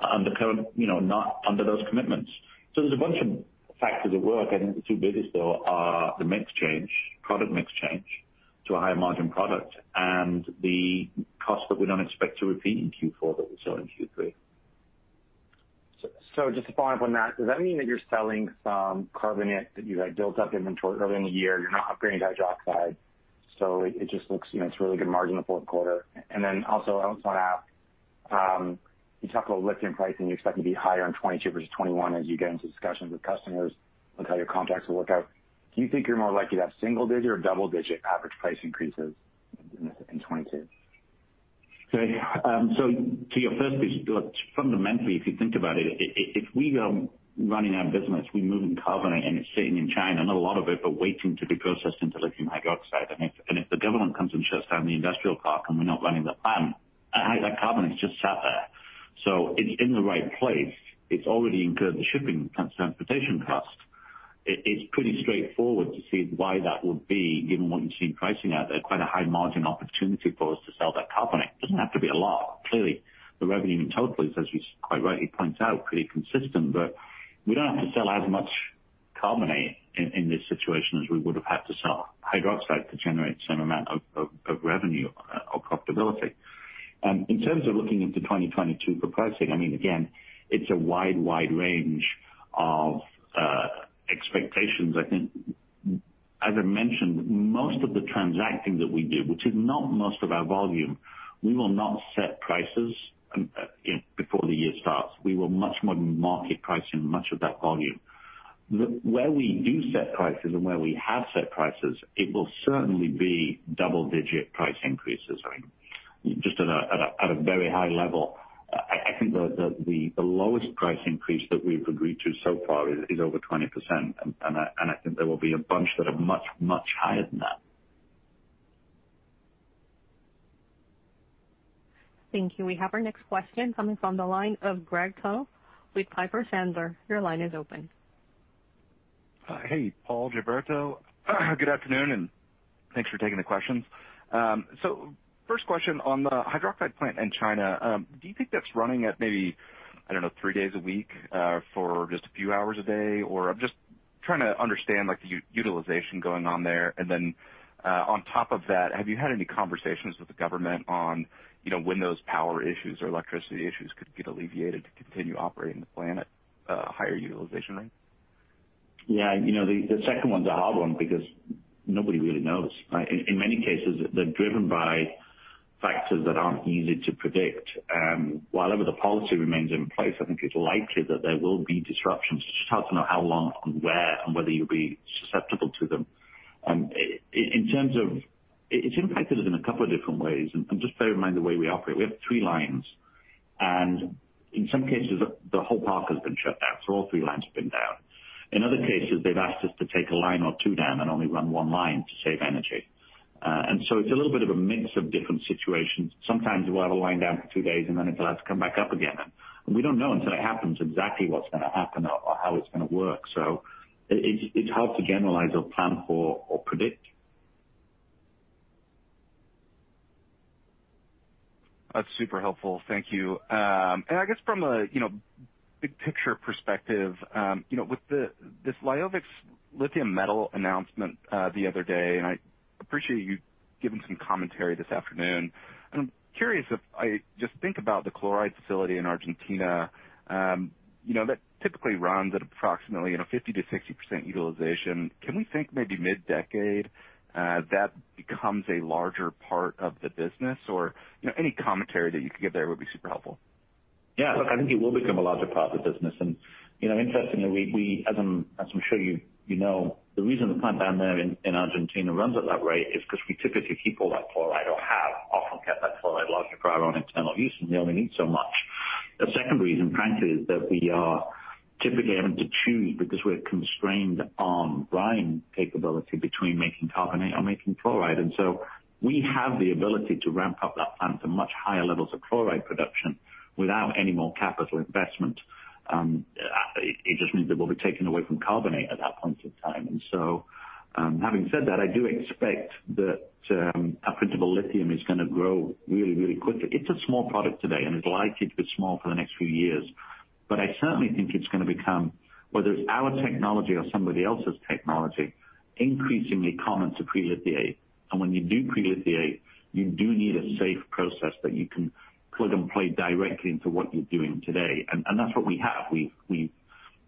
under current, you know, not under those commitments. There's a bunch of factors at work. I think the two biggest though are the mix change, product mix change to a higher margin product and the costs that we don't expect to repeat in Q4 that we saw in Q3. Just to follow up on that, does that mean that you're selling some carbonate that you had built up inventory earlier in the year and you're not upgrading to hydroxide? It just looks, you know, it's really good margin in the fourth quarter. Also I also wanna ask, you talked about lithium pricing you expect to be higher in 2022 versus 2021 as you get into discussions with customers on how your contracts will work out. Do you think you're more likely to have single digit or double-digit average price increases in 2022? To your first piece, look, fundamentally, if you think about it, if we are running our business, we're moving carbonate and it's sitting in China, not a lot of it, but waiting to be processed into lithium hydroxide, and if the government comes and shuts down the industrial park and we're not running the plant, that carbonate's just sat there. It's in the right place. It's already incurred the shipping transportation cost. It's pretty straightforward to see why that would be, given what you've seen pricing at quite a high margin opportunity for us to sell that carbonate. It doesn't have to be a lot. Clearly, the revenue in total is, as you quite rightly point out, pretty consistent, but we don't have to sell as much carbonate in this situation as we would've had to sell hydroxide to generate the same amount of revenue or profitability. In terms of looking into 2022 for pricing, I mean, again, it's a wide range of expectations. I think as I mentioned, most of the transacting that we do, which is not most of our volume, we will not set prices before the year starts. We will much more be market pricing much of that volume. Where we do set prices and where we have set prices, it will certainly be double-digit price increases. I mean, just at a very high level, I think the lowest price increase that we've agreed to so far is over 20%, and I think there will be a bunch that are much higher than that. Thank you. We have our next question coming from the line of Greg Tuttle with Piper Sandler. Your line is open. Hey, Paul, Gilberto. Good afternoon, and thanks for taking the questions. First question on the hydroxide plant in China, do you think that's running at maybe, I don't know, three days a week, for just a few hours a day? Or I'm just trying to understand, like, the utilization going on there. Then, on top of that, have you had any conversations with the government on, you know, when those power issues or electricity issues could get alleviated to continue operating the plant at a higher utilization rate? Yeah. You know, the second one's a hard one because nobody really knows, right. In many cases, they're driven by factors that aren't easy to predict. While ever the policy remains in place, I think it's likely that there will be disruptions. It's just hard to know how long and where and whether you'll be susceptible to them. In terms of, it's impacted us in a couple of different ways. Just bear in mind the way we operate. We have three lines, and in some cases, the whole park has been shut down, so all three lines have been down. In other cases, they've asked us to take a line or two down and only run one line to save energy. It's a little bit of a mix of different situations. Sometimes we'll have a line down for two days, and then it'll have to come back up again. We don't know until it happens exactly what's gonna happen or how it's gonna work. It's hard to generalize or plan for or predict. That's super helpful. Thank you. I guess from a big picture perspective, you know, with this LIOVIX lithium metal announcement the other day, and I appreciate you giving some commentary this afternoon. I'm curious. I just think about the chloride facility in Argentina, you know, that typically runs at approximately 50%-60% utilization. Can we think maybe mid-decade that becomes a larger part of the business? Or, you know, any commentary that you could give there would be super helpful. Yeah. Look, I think it will become a larger part of the business. You know, interestingly, as I'm sure you know, the reason the plant down there in Argentina runs at that rate is 'cause we typically keep all that chloride or have often kept that chloride larger for our own internal use, and we only need so much. The second reason, frankly, is that we are typically having to choose because we're constrained on brine capability between making carbonate or making chloride. We have the ability to ramp up that plant to much higher levels of chloride production without any more capital investment. It just means it will be taken away from carbonate at that point in time. Having said that, I do expect that our printable lithium is gonna grow really, really quickly. It's a small product today, and it's likely to be small for the next few years. I certainly think it's gonna become, whether it's our technology or somebody else's technology, increasingly common to pre-lithiate. When you do pre-lithiate, you do need a safe process that you can plug and play directly into what you're doing today. That's what we have. We've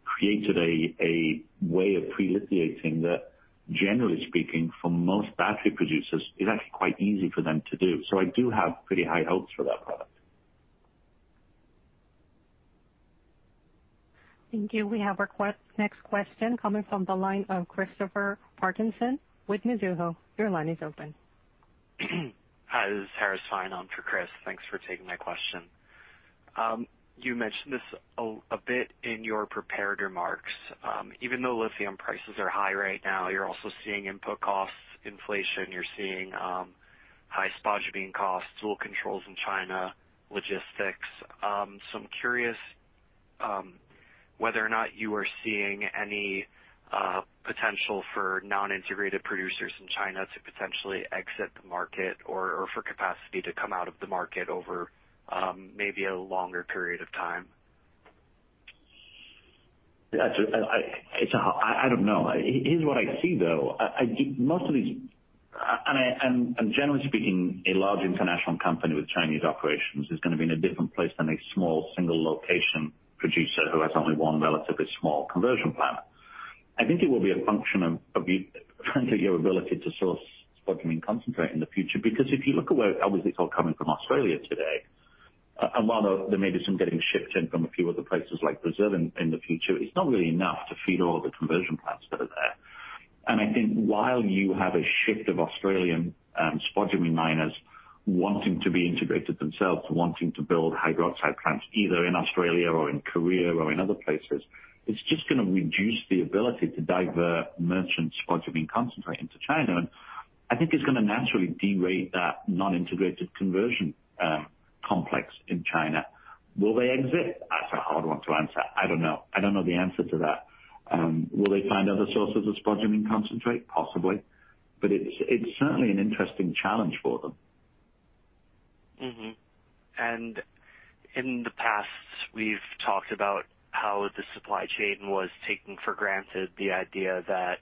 created a way of pre-lithiating that, generally speaking, for most battery producers is actually quite easy for them to do. I do have pretty high hopes for that product. Thank you. We have our next question coming from the line of Christopher Parkinson with Mizuho. Your line is open. Hi, this is Harris Fein on for Chris. Thanks for taking my question. You mentioned this a bit in your prepared remarks. Even though lithium prices are high right now, you're also seeing input costs, inflation, you're seeing high spodumene costs, dual controls in China, logistics. I'm curious whether or not you are seeing any potential for non-integrated producers in China to potentially exit the market or for capacity to come out of the market over maybe a longer period of time. I don't know. Here's what I see, though. Most of these generally speaking, a large international company with Chinese operations is gonna be in a different place than a small single location producer who has only one relatively small conversion plant. I think it will be a function of frankly your ability to source spodumene concentrate in the future. Because if you look at where obviously it's all coming from Australia today, and while there may be some getting shipped in from a few other places like Brazil in the future, it's not really enough to feed all the conversion plants that are there. I think while you have a shift of Australian spodumene miners wanting to be integrated themselves, wanting to build hydroxide plants either in Australia or in Korea or in other places, it's just gonna reduce the ability to divert merchant spodumene concentrate into China. I think it's gonna naturally derate that non-integrated conversion complex in China. Will they exit? That's a hard one to answer. I don't know. I don't know the answer to that. Will they find other sources of spodumene concentrate? Possibly. It's certainly an interesting challenge for them. Mm-hmm. In the past, we've talked about how the supply chain was taking for granted the idea that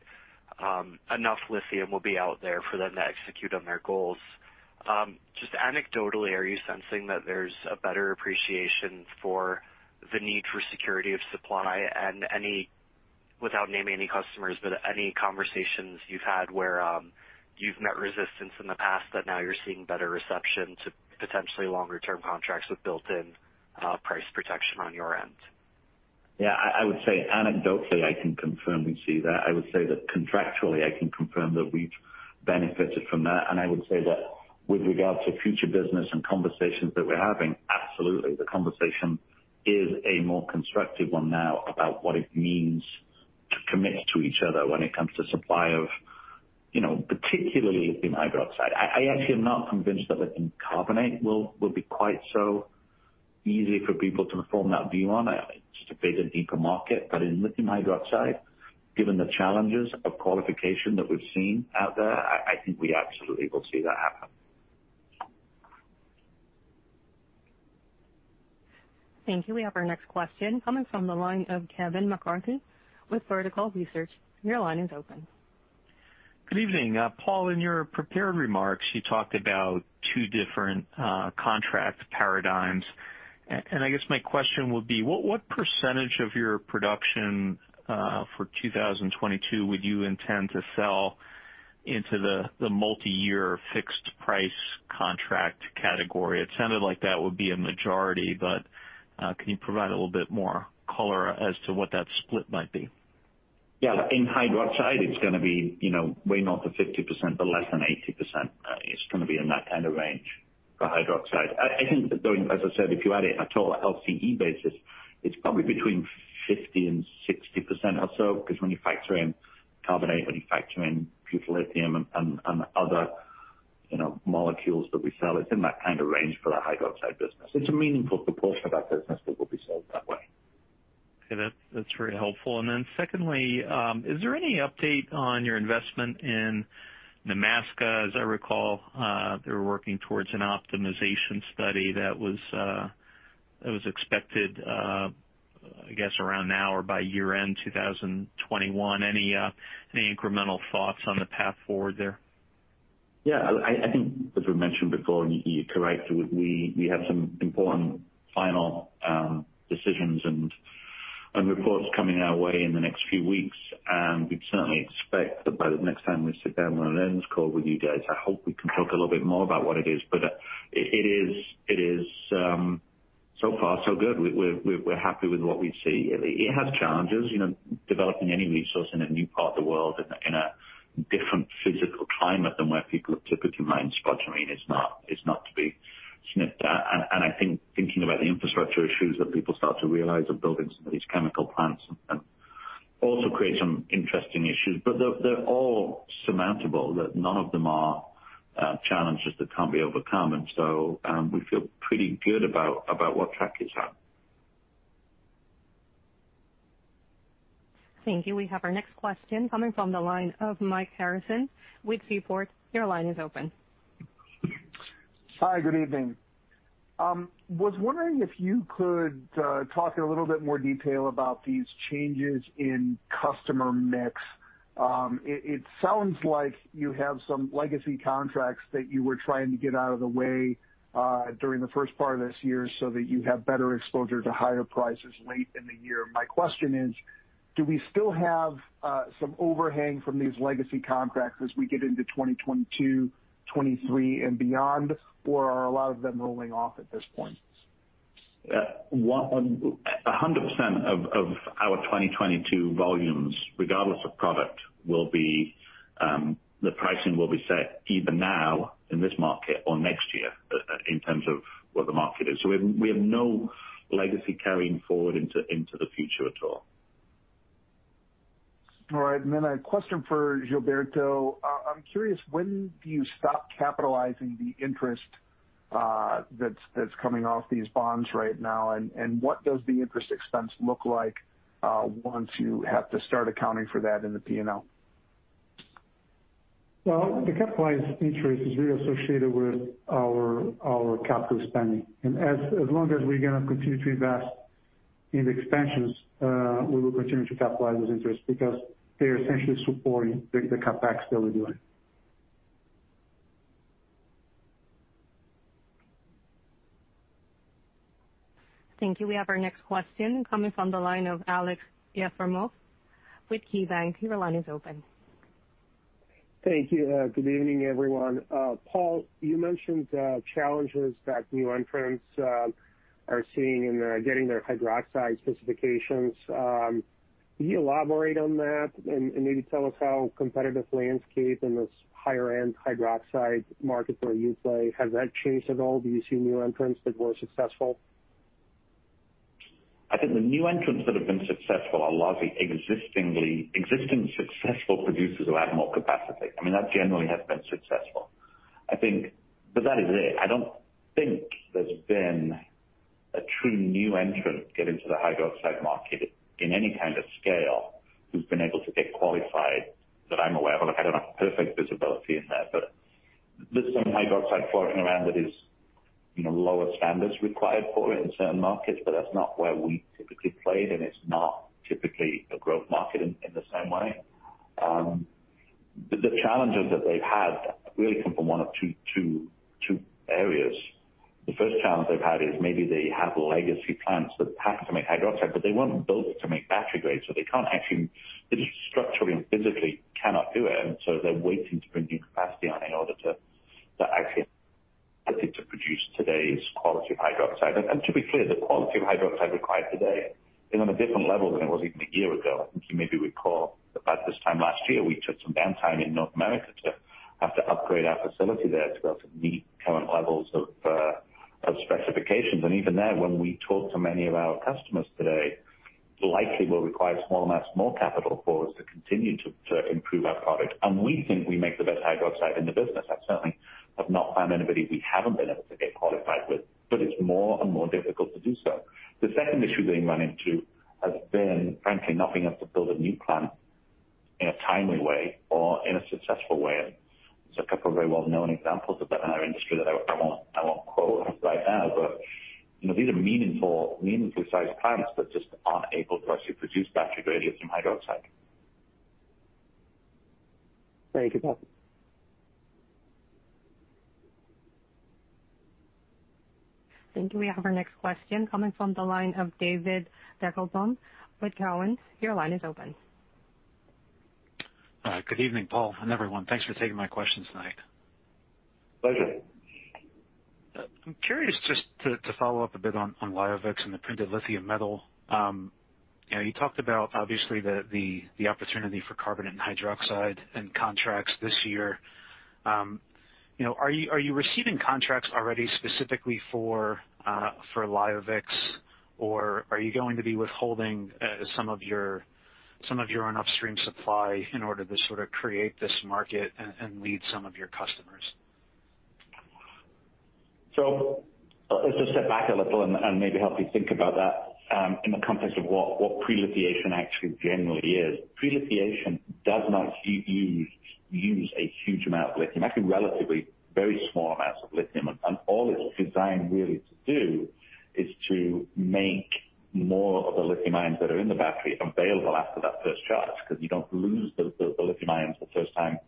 enough lithium will be out there for them to execute on their goals. Just anecdotally, are you sensing that there's a better appreciation for the need for security of supply and any, without naming any customers, but any conversations you've had where you've met resistance in the past that now you're seeing better reception to potentially longer term contracts with built-in price protection on your end? Yeah. I would say anecdotally, I can confirm we see that. I would say that contractually, I can confirm that we've benefited from that. I would say that with regards to future business and conversations that we're having, absolutely. The conversation is a more constructive one now about what it means to commit to each other when it comes to supply, you know, particularly in hydroxide. I actually am not convinced that the carbonate will be quite so easy for people to form that view on. It's just a bigger, deeper market. In lithium hydroxide, given the challenges of qualification that we've seen out there, I think we absolutely will see that happen. Thank you. We have our next question coming from the line of Kevin McCarthy with Vertical Research. Your line is open. Good evening. Paul, in your prepared remarks, you talked about two different contract paradigms. I guess my question would be: what percentage of your production for 2022 would you intend to sell into the multiyear fixed price contract category? It sounded like that would be a majority, but can you provide a little bit more color as to what that split might be? Yeah. In hydroxide, it's gonna be, you know, way north of 50% but less than 80%. It's gonna be in that kind of range for hydroxide. I think that though, as I said, if you add it on a total LCE basis, it's probably between 50% and 60% or so, 'cause when you factor in carbonate, when you factor in butyllithium and other, you know, molecules that we sell, it's in that kind of range for our hydroxide business. It's a meaningful proportion of that business that will be sold that way. Okay. That's very helpful. Secondly, is there any update on your investment in Nemaska? As I recall, they were working towards an optimization study that was expected, I guess around now or by year-end 2021. Any incremental thoughts on the path forward there? Yeah. I think as we mentioned before, you're correct. We have some important final decisions and reports coming our way in the next few weeks. We'd certainly expect that by the next time we sit down on an earnings call with you guys, I hope we can talk a little bit more about what it is. It is so far so good. We're happy with what we see. It has challenges, you know, developing any resource in a new part of the world in a different physical climate than where people have typically mined spodumene is not to be sniffed at. I think thinking about the infrastructure issues that people start to realize of building some of these chemical plants can also create some interesting issues. They're all surmountable, that none of them are challenges that can't be overcome. We feel pretty good about what track it's on. Thank you. We have our next question coming from the line of Mike Harrison with Seaport. Your line is open. Hi, good evening. Was wondering if you could talk in a little bit more detail about these changes in customer mix. It sounds like you have some legacy contracts that you were trying to get out of the way during the first part of this year so that you have better exposure to higher prices late in the year. My question is, do we still have some overhang from these legacy contracts as we get into 2022, 2023 and beyond, or are a lot of them rolling off at this point? 100% of our 2022 volumes, regardless of product, will be the pricing will be set either now in this market or next year in terms of what the market is. We have no legacy carrying forward into the future at all. All right. A question for Gilberto. I'm curious, when do you stop capitalizing the interest that's coming off these bonds right now? What does the interest expense look like once you have to start accounting for that in the P&L? Well, the capitalized interest is really associated with our capital spending. As long as we're gonna continue to invest in the expansions, we will continue to capitalize those interests because they're essentially supporting the CapEx that we're doing. Thank you. We have our next question coming from the line of Aleksey Yefremov with KeyBanc Capital Markets. Your line is open. Thank you. Good evening, everyone. Paul, you mentioned challenges that new entrants are seeing in getting their hydroxide specifications. Can you elaborate on that and maybe tell us how competitive landscape in this higher-end hydroxide market where you play has changed at all? Do you see new entrants that were successful? I think the new entrants that have been successful are largely existing successful producers who add more capacity. I mean, that generally has been successful. I think that is it. I don't think there's been a true new entrant get into the hydroxide market in any kind of scale who's been able to get qualified that I'm aware of. Look, I don't have perfect visibility in there, but there's some hydroxide floating around that is, you know, lower standards required for it in certain markets, but that's not where we typically play, and it's not typically a growth market in the same way. The challenges that they've had really come from one of two areas. The first challenge they've had is maybe they have legacy plants that have to make hydroxide, but they weren't built to make battery grade, so they can't actually... They just structurally and physically cannot do it, and so they're waiting to bring new capacity on in order to actually produce today's quality of hydroxide. To be clear, the quality of hydroxide required today is on a different level than it was even a year ago. I think you maybe recall that about this time last year, we took some downtime in North America to have to upgrade our facility there to be able to meet current levels of of specifications. Even there, when we talk to many of our customers today, likely will require small amounts, more capital for us to continue to improve our product. We think we make the best hydroxide in the business. I certainly have not found anybody we haven't been able to get qualified with, but it's more and more difficult to do so. The second issue we run into has been, frankly, not being able to build a new plant in a timely way or in a successful way. There's a couple of very well-known examples of that in our industry that I won't quote right now, but, you know, these are meaningful, meaningfully sized plants that just aren't able to produce battery-grade hydroxide. Great. Good to know. Thank you. We have our next question coming from the line of David Deckelbaum with Cowen. Your line is open. Good evening, Paul and everyone. Thanks for taking my questions tonight. Pleasure. I'm curious just to follow up a bit on LIOVIX and the printed lithium metal. You know, you talked about obviously the opportunity for carbonate and hydroxide and contracts this year. You know, are you receiving contracts already specifically for LIOVIX, or are you going to be withholding some of your own upstream supply in order to sort of create this market and lead some of your customers? Let's just step back a little and maybe help you think about that in the context of what pre-lithiation actually generally is. Pre-lithiation does not use a huge amount of lithium, actually relatively very small amounts of lithium. All it's designed really to do is to make more of the lithium ions that are in the battery available after that first charge, 'cause you don't lose the lithium ions the first time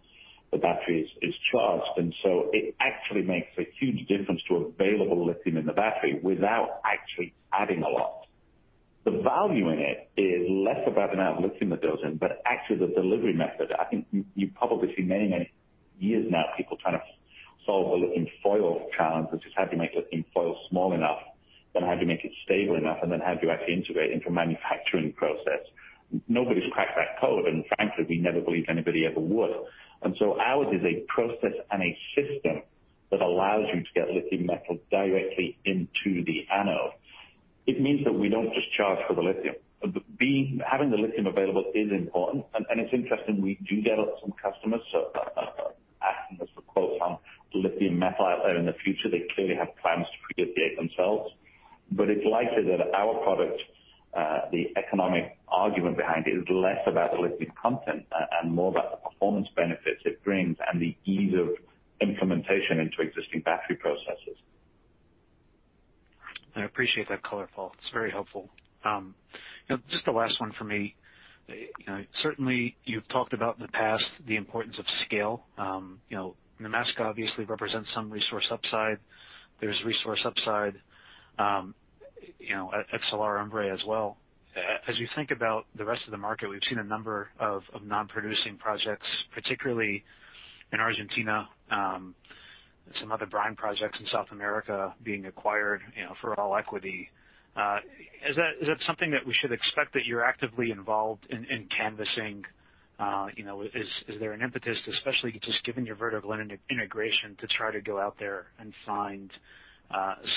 the battery is charged. It actually makes a huge difference to available lithium in the battery without actually adding a lot. The value in it is less about the amount of lithium that goes in, but actually the delivery method. I think you've probably seen many, many years now, people trying to solve the lithium foil challenge, which is how do you make lithium foil small enough, then how do you make it stable enough, and then how do you actually integrate into a manufacturing process. Nobody's cracked that code, and frankly, we never believed anybody ever would. Ours is a process and a system that allows you to get lithium metal directly into the anode. It means that we don't just charge for the lithium. Having the lithium available is important, and it's interesting, we do get some customers so asking us for quotes on lithium metal out there in the future. They clearly have plans to pre-lithiate themselves. It's likely that our product, the economic argument behind it is less about the lithium content and more about the performance benefits it brings and the ease of implementation into existing battery processes. I appreciate that color, Paul. It's very helpful. Just the last one for me. You know, certainly you've talked about in the past the importance of scale. You know, Nemaska obviously represents some resource upside. There's resource upside, you know, at Sal de Vida as well. As you think about the rest of the market, we've seen a number of non-producing projects, particularly in Argentina, some other brine projects in South America being acquired, you know, for all equity. Is that something that we should expect that you're actively involved in canvassing? You know, is there an impetus, especially just given your vertical integration, to try to go out there and find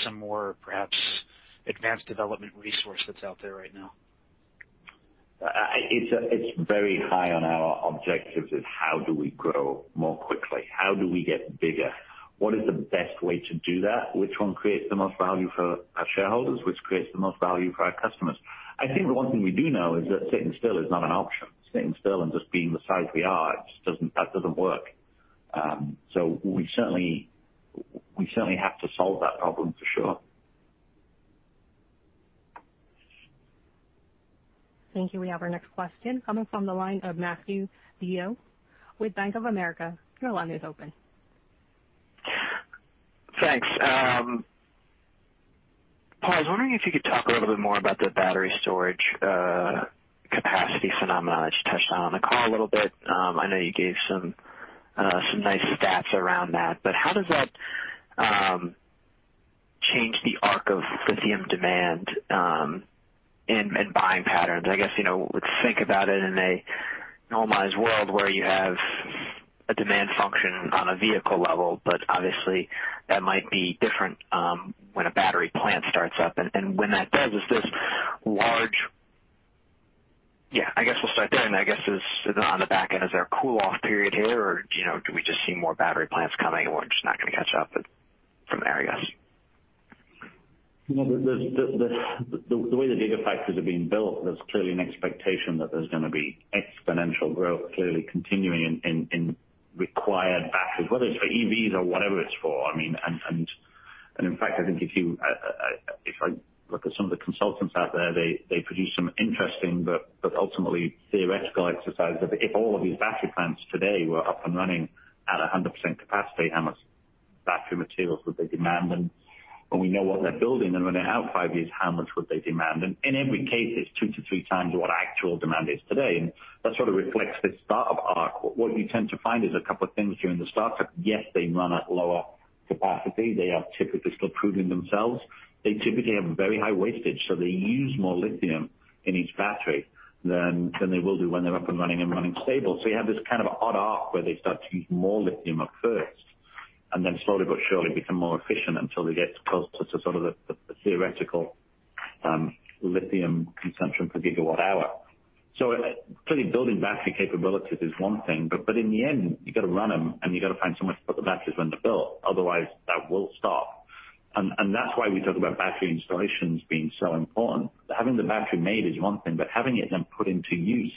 some more perhaps advanced development resource that's out there right now? It's very high on our objectives is how do we grow more quickly? How do we get bigger? What is the best way to do that? Which one creates the most value for our shareholders, which creates the most value for our customers? I think the one thing we do know is that sitting still is not an option. Sitting still and just being the size we are, that doesn't work. We certainly have to solve that problem for sure. Thank you. We have our next question coming from the line of Matthew DeYoe with Bank of America. Your line is open. Thanks. Paul, I was wondering if you could talk a little bit more about the battery storage capacity phenomena. I just touched on the call a little bit. I know you gave some nice stats around that, but how does that change the arc of lithium demand in buying patterns? I guess, you know, let's think about it in a normalized world where you have a demand function on a vehicle level, but obviously that might be different when a battery plant starts up. When that does, I guess we'll start there, and I guess, on the back end, is there a cool off period here, or, you know, do we just see more battery plants coming and we're just not gonna catch up from there, I guess? No, the way the gigafactories are being built, there's clearly an expectation that there's gonna be exponential growth, clearly continuing in required batteries, whether it's for EVs or whatever it's for. I mean, in fact, I think if I look at some of the consultants out there, they produce some interesting but ultimately theoretical exercises. If all of these battery plants today were up and running at 100% capacity, how much battery materials would they demand? We know what they're building, and when they're out five years, how much would they demand? In every case, it's 2-3 times what actual demand is today. That sort of reflects this startup arc. What you tend to find is a couple of things during the startup. Yes, they run at lower capacity. They are typically still proving themselves. They typically have very high wastage, so they use more lithium in each battery than they will do when they're up and running stable. You have this kind of an odd arc where they start to use more lithium at first, slowly but surely become more efficient until we get close to sort of the theoretical lithium consumption per gigawatt hour. Clearly, building battery capabilities is one thing, but in the end, you got to run them and you got to find somewhere to put the batteries when they're built, otherwise that will stop. That's why we talk about battery installations being so important. Having the battery made is one thing, but having it then put into use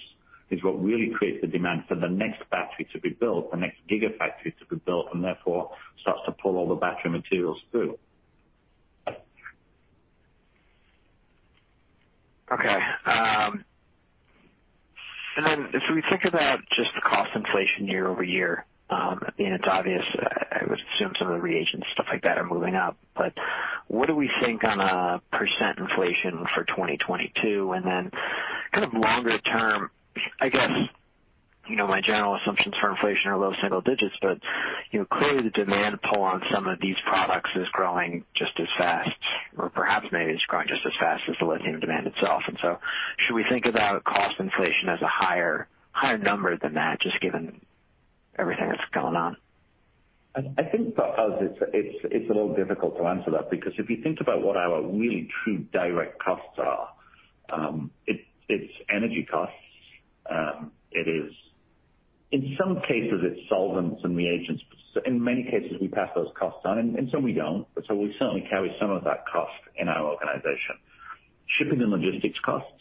is what really creates the demand for the next battery to be built, the next gigafactory to be built, and therefore starts to pull all the battery materials through. Okay. If we think about just the cost inflation year-over-year, I mean, it's obvious. I would assume some of the reagents and stuff like that are moving up. What do we think on a % inflation for 2022? Kind of longer term, I guess, you know, my general assumptions for inflation are low single digits, but, you know, clearly the demand pull on some of these products is growing just as fast. Perhaps maybe it's growing just as fast as the lithium demand itself. Should we think about cost inflation as a higher number than that, just given everything that's going on? I think for us, it's a little difficult to answer that because if you think about what our really true direct costs are, it's energy costs. It is in some cases, it's solvents and reagents. In many cases we pass those costs on, and some we don't. So we certainly carry some of that cost in our organization. Shipping and logistics costs,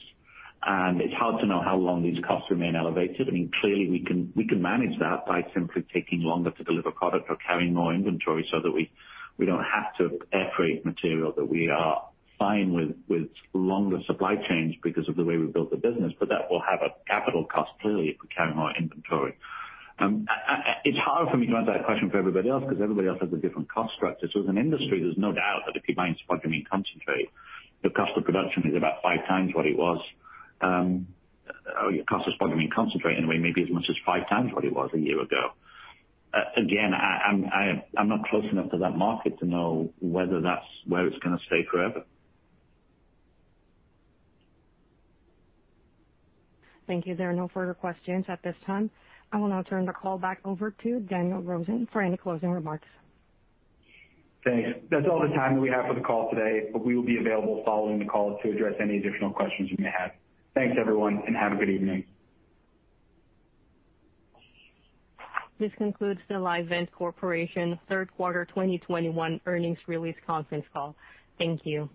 and it's hard to know how long these costs remain elevated. I mean, clearly we can manage that by simply taking longer to deliver product or carrying more inventory so that we don't have to air freight material that we are fine with longer supply chains because of the way we built the business. That will have a capital cost, clearly, if we carry more inventory. It's hard for me to answer that question for everybody else because everybody else has a different cost structure. As an industry, there's no doubt that if you're buying spodumene concentrate, the cost of production is about five times what it was, or cost of spodumene concentrate anyway, maybe as much as five times what it was a year ago. I'm not close enough to that market to know whether that's where it's gonna stay forever. Thank you. There are no further questions at this time. I will now turn the call back over to Daniel Rosen for any closing remarks. Thanks. That's all the time we have for the call today, but we will be available following the call to address any additional questions you may have. Thanks, everyone, and have a good evening. This concludes the Livent Corporation third quarter 2021 earnings release conference call. Thank you.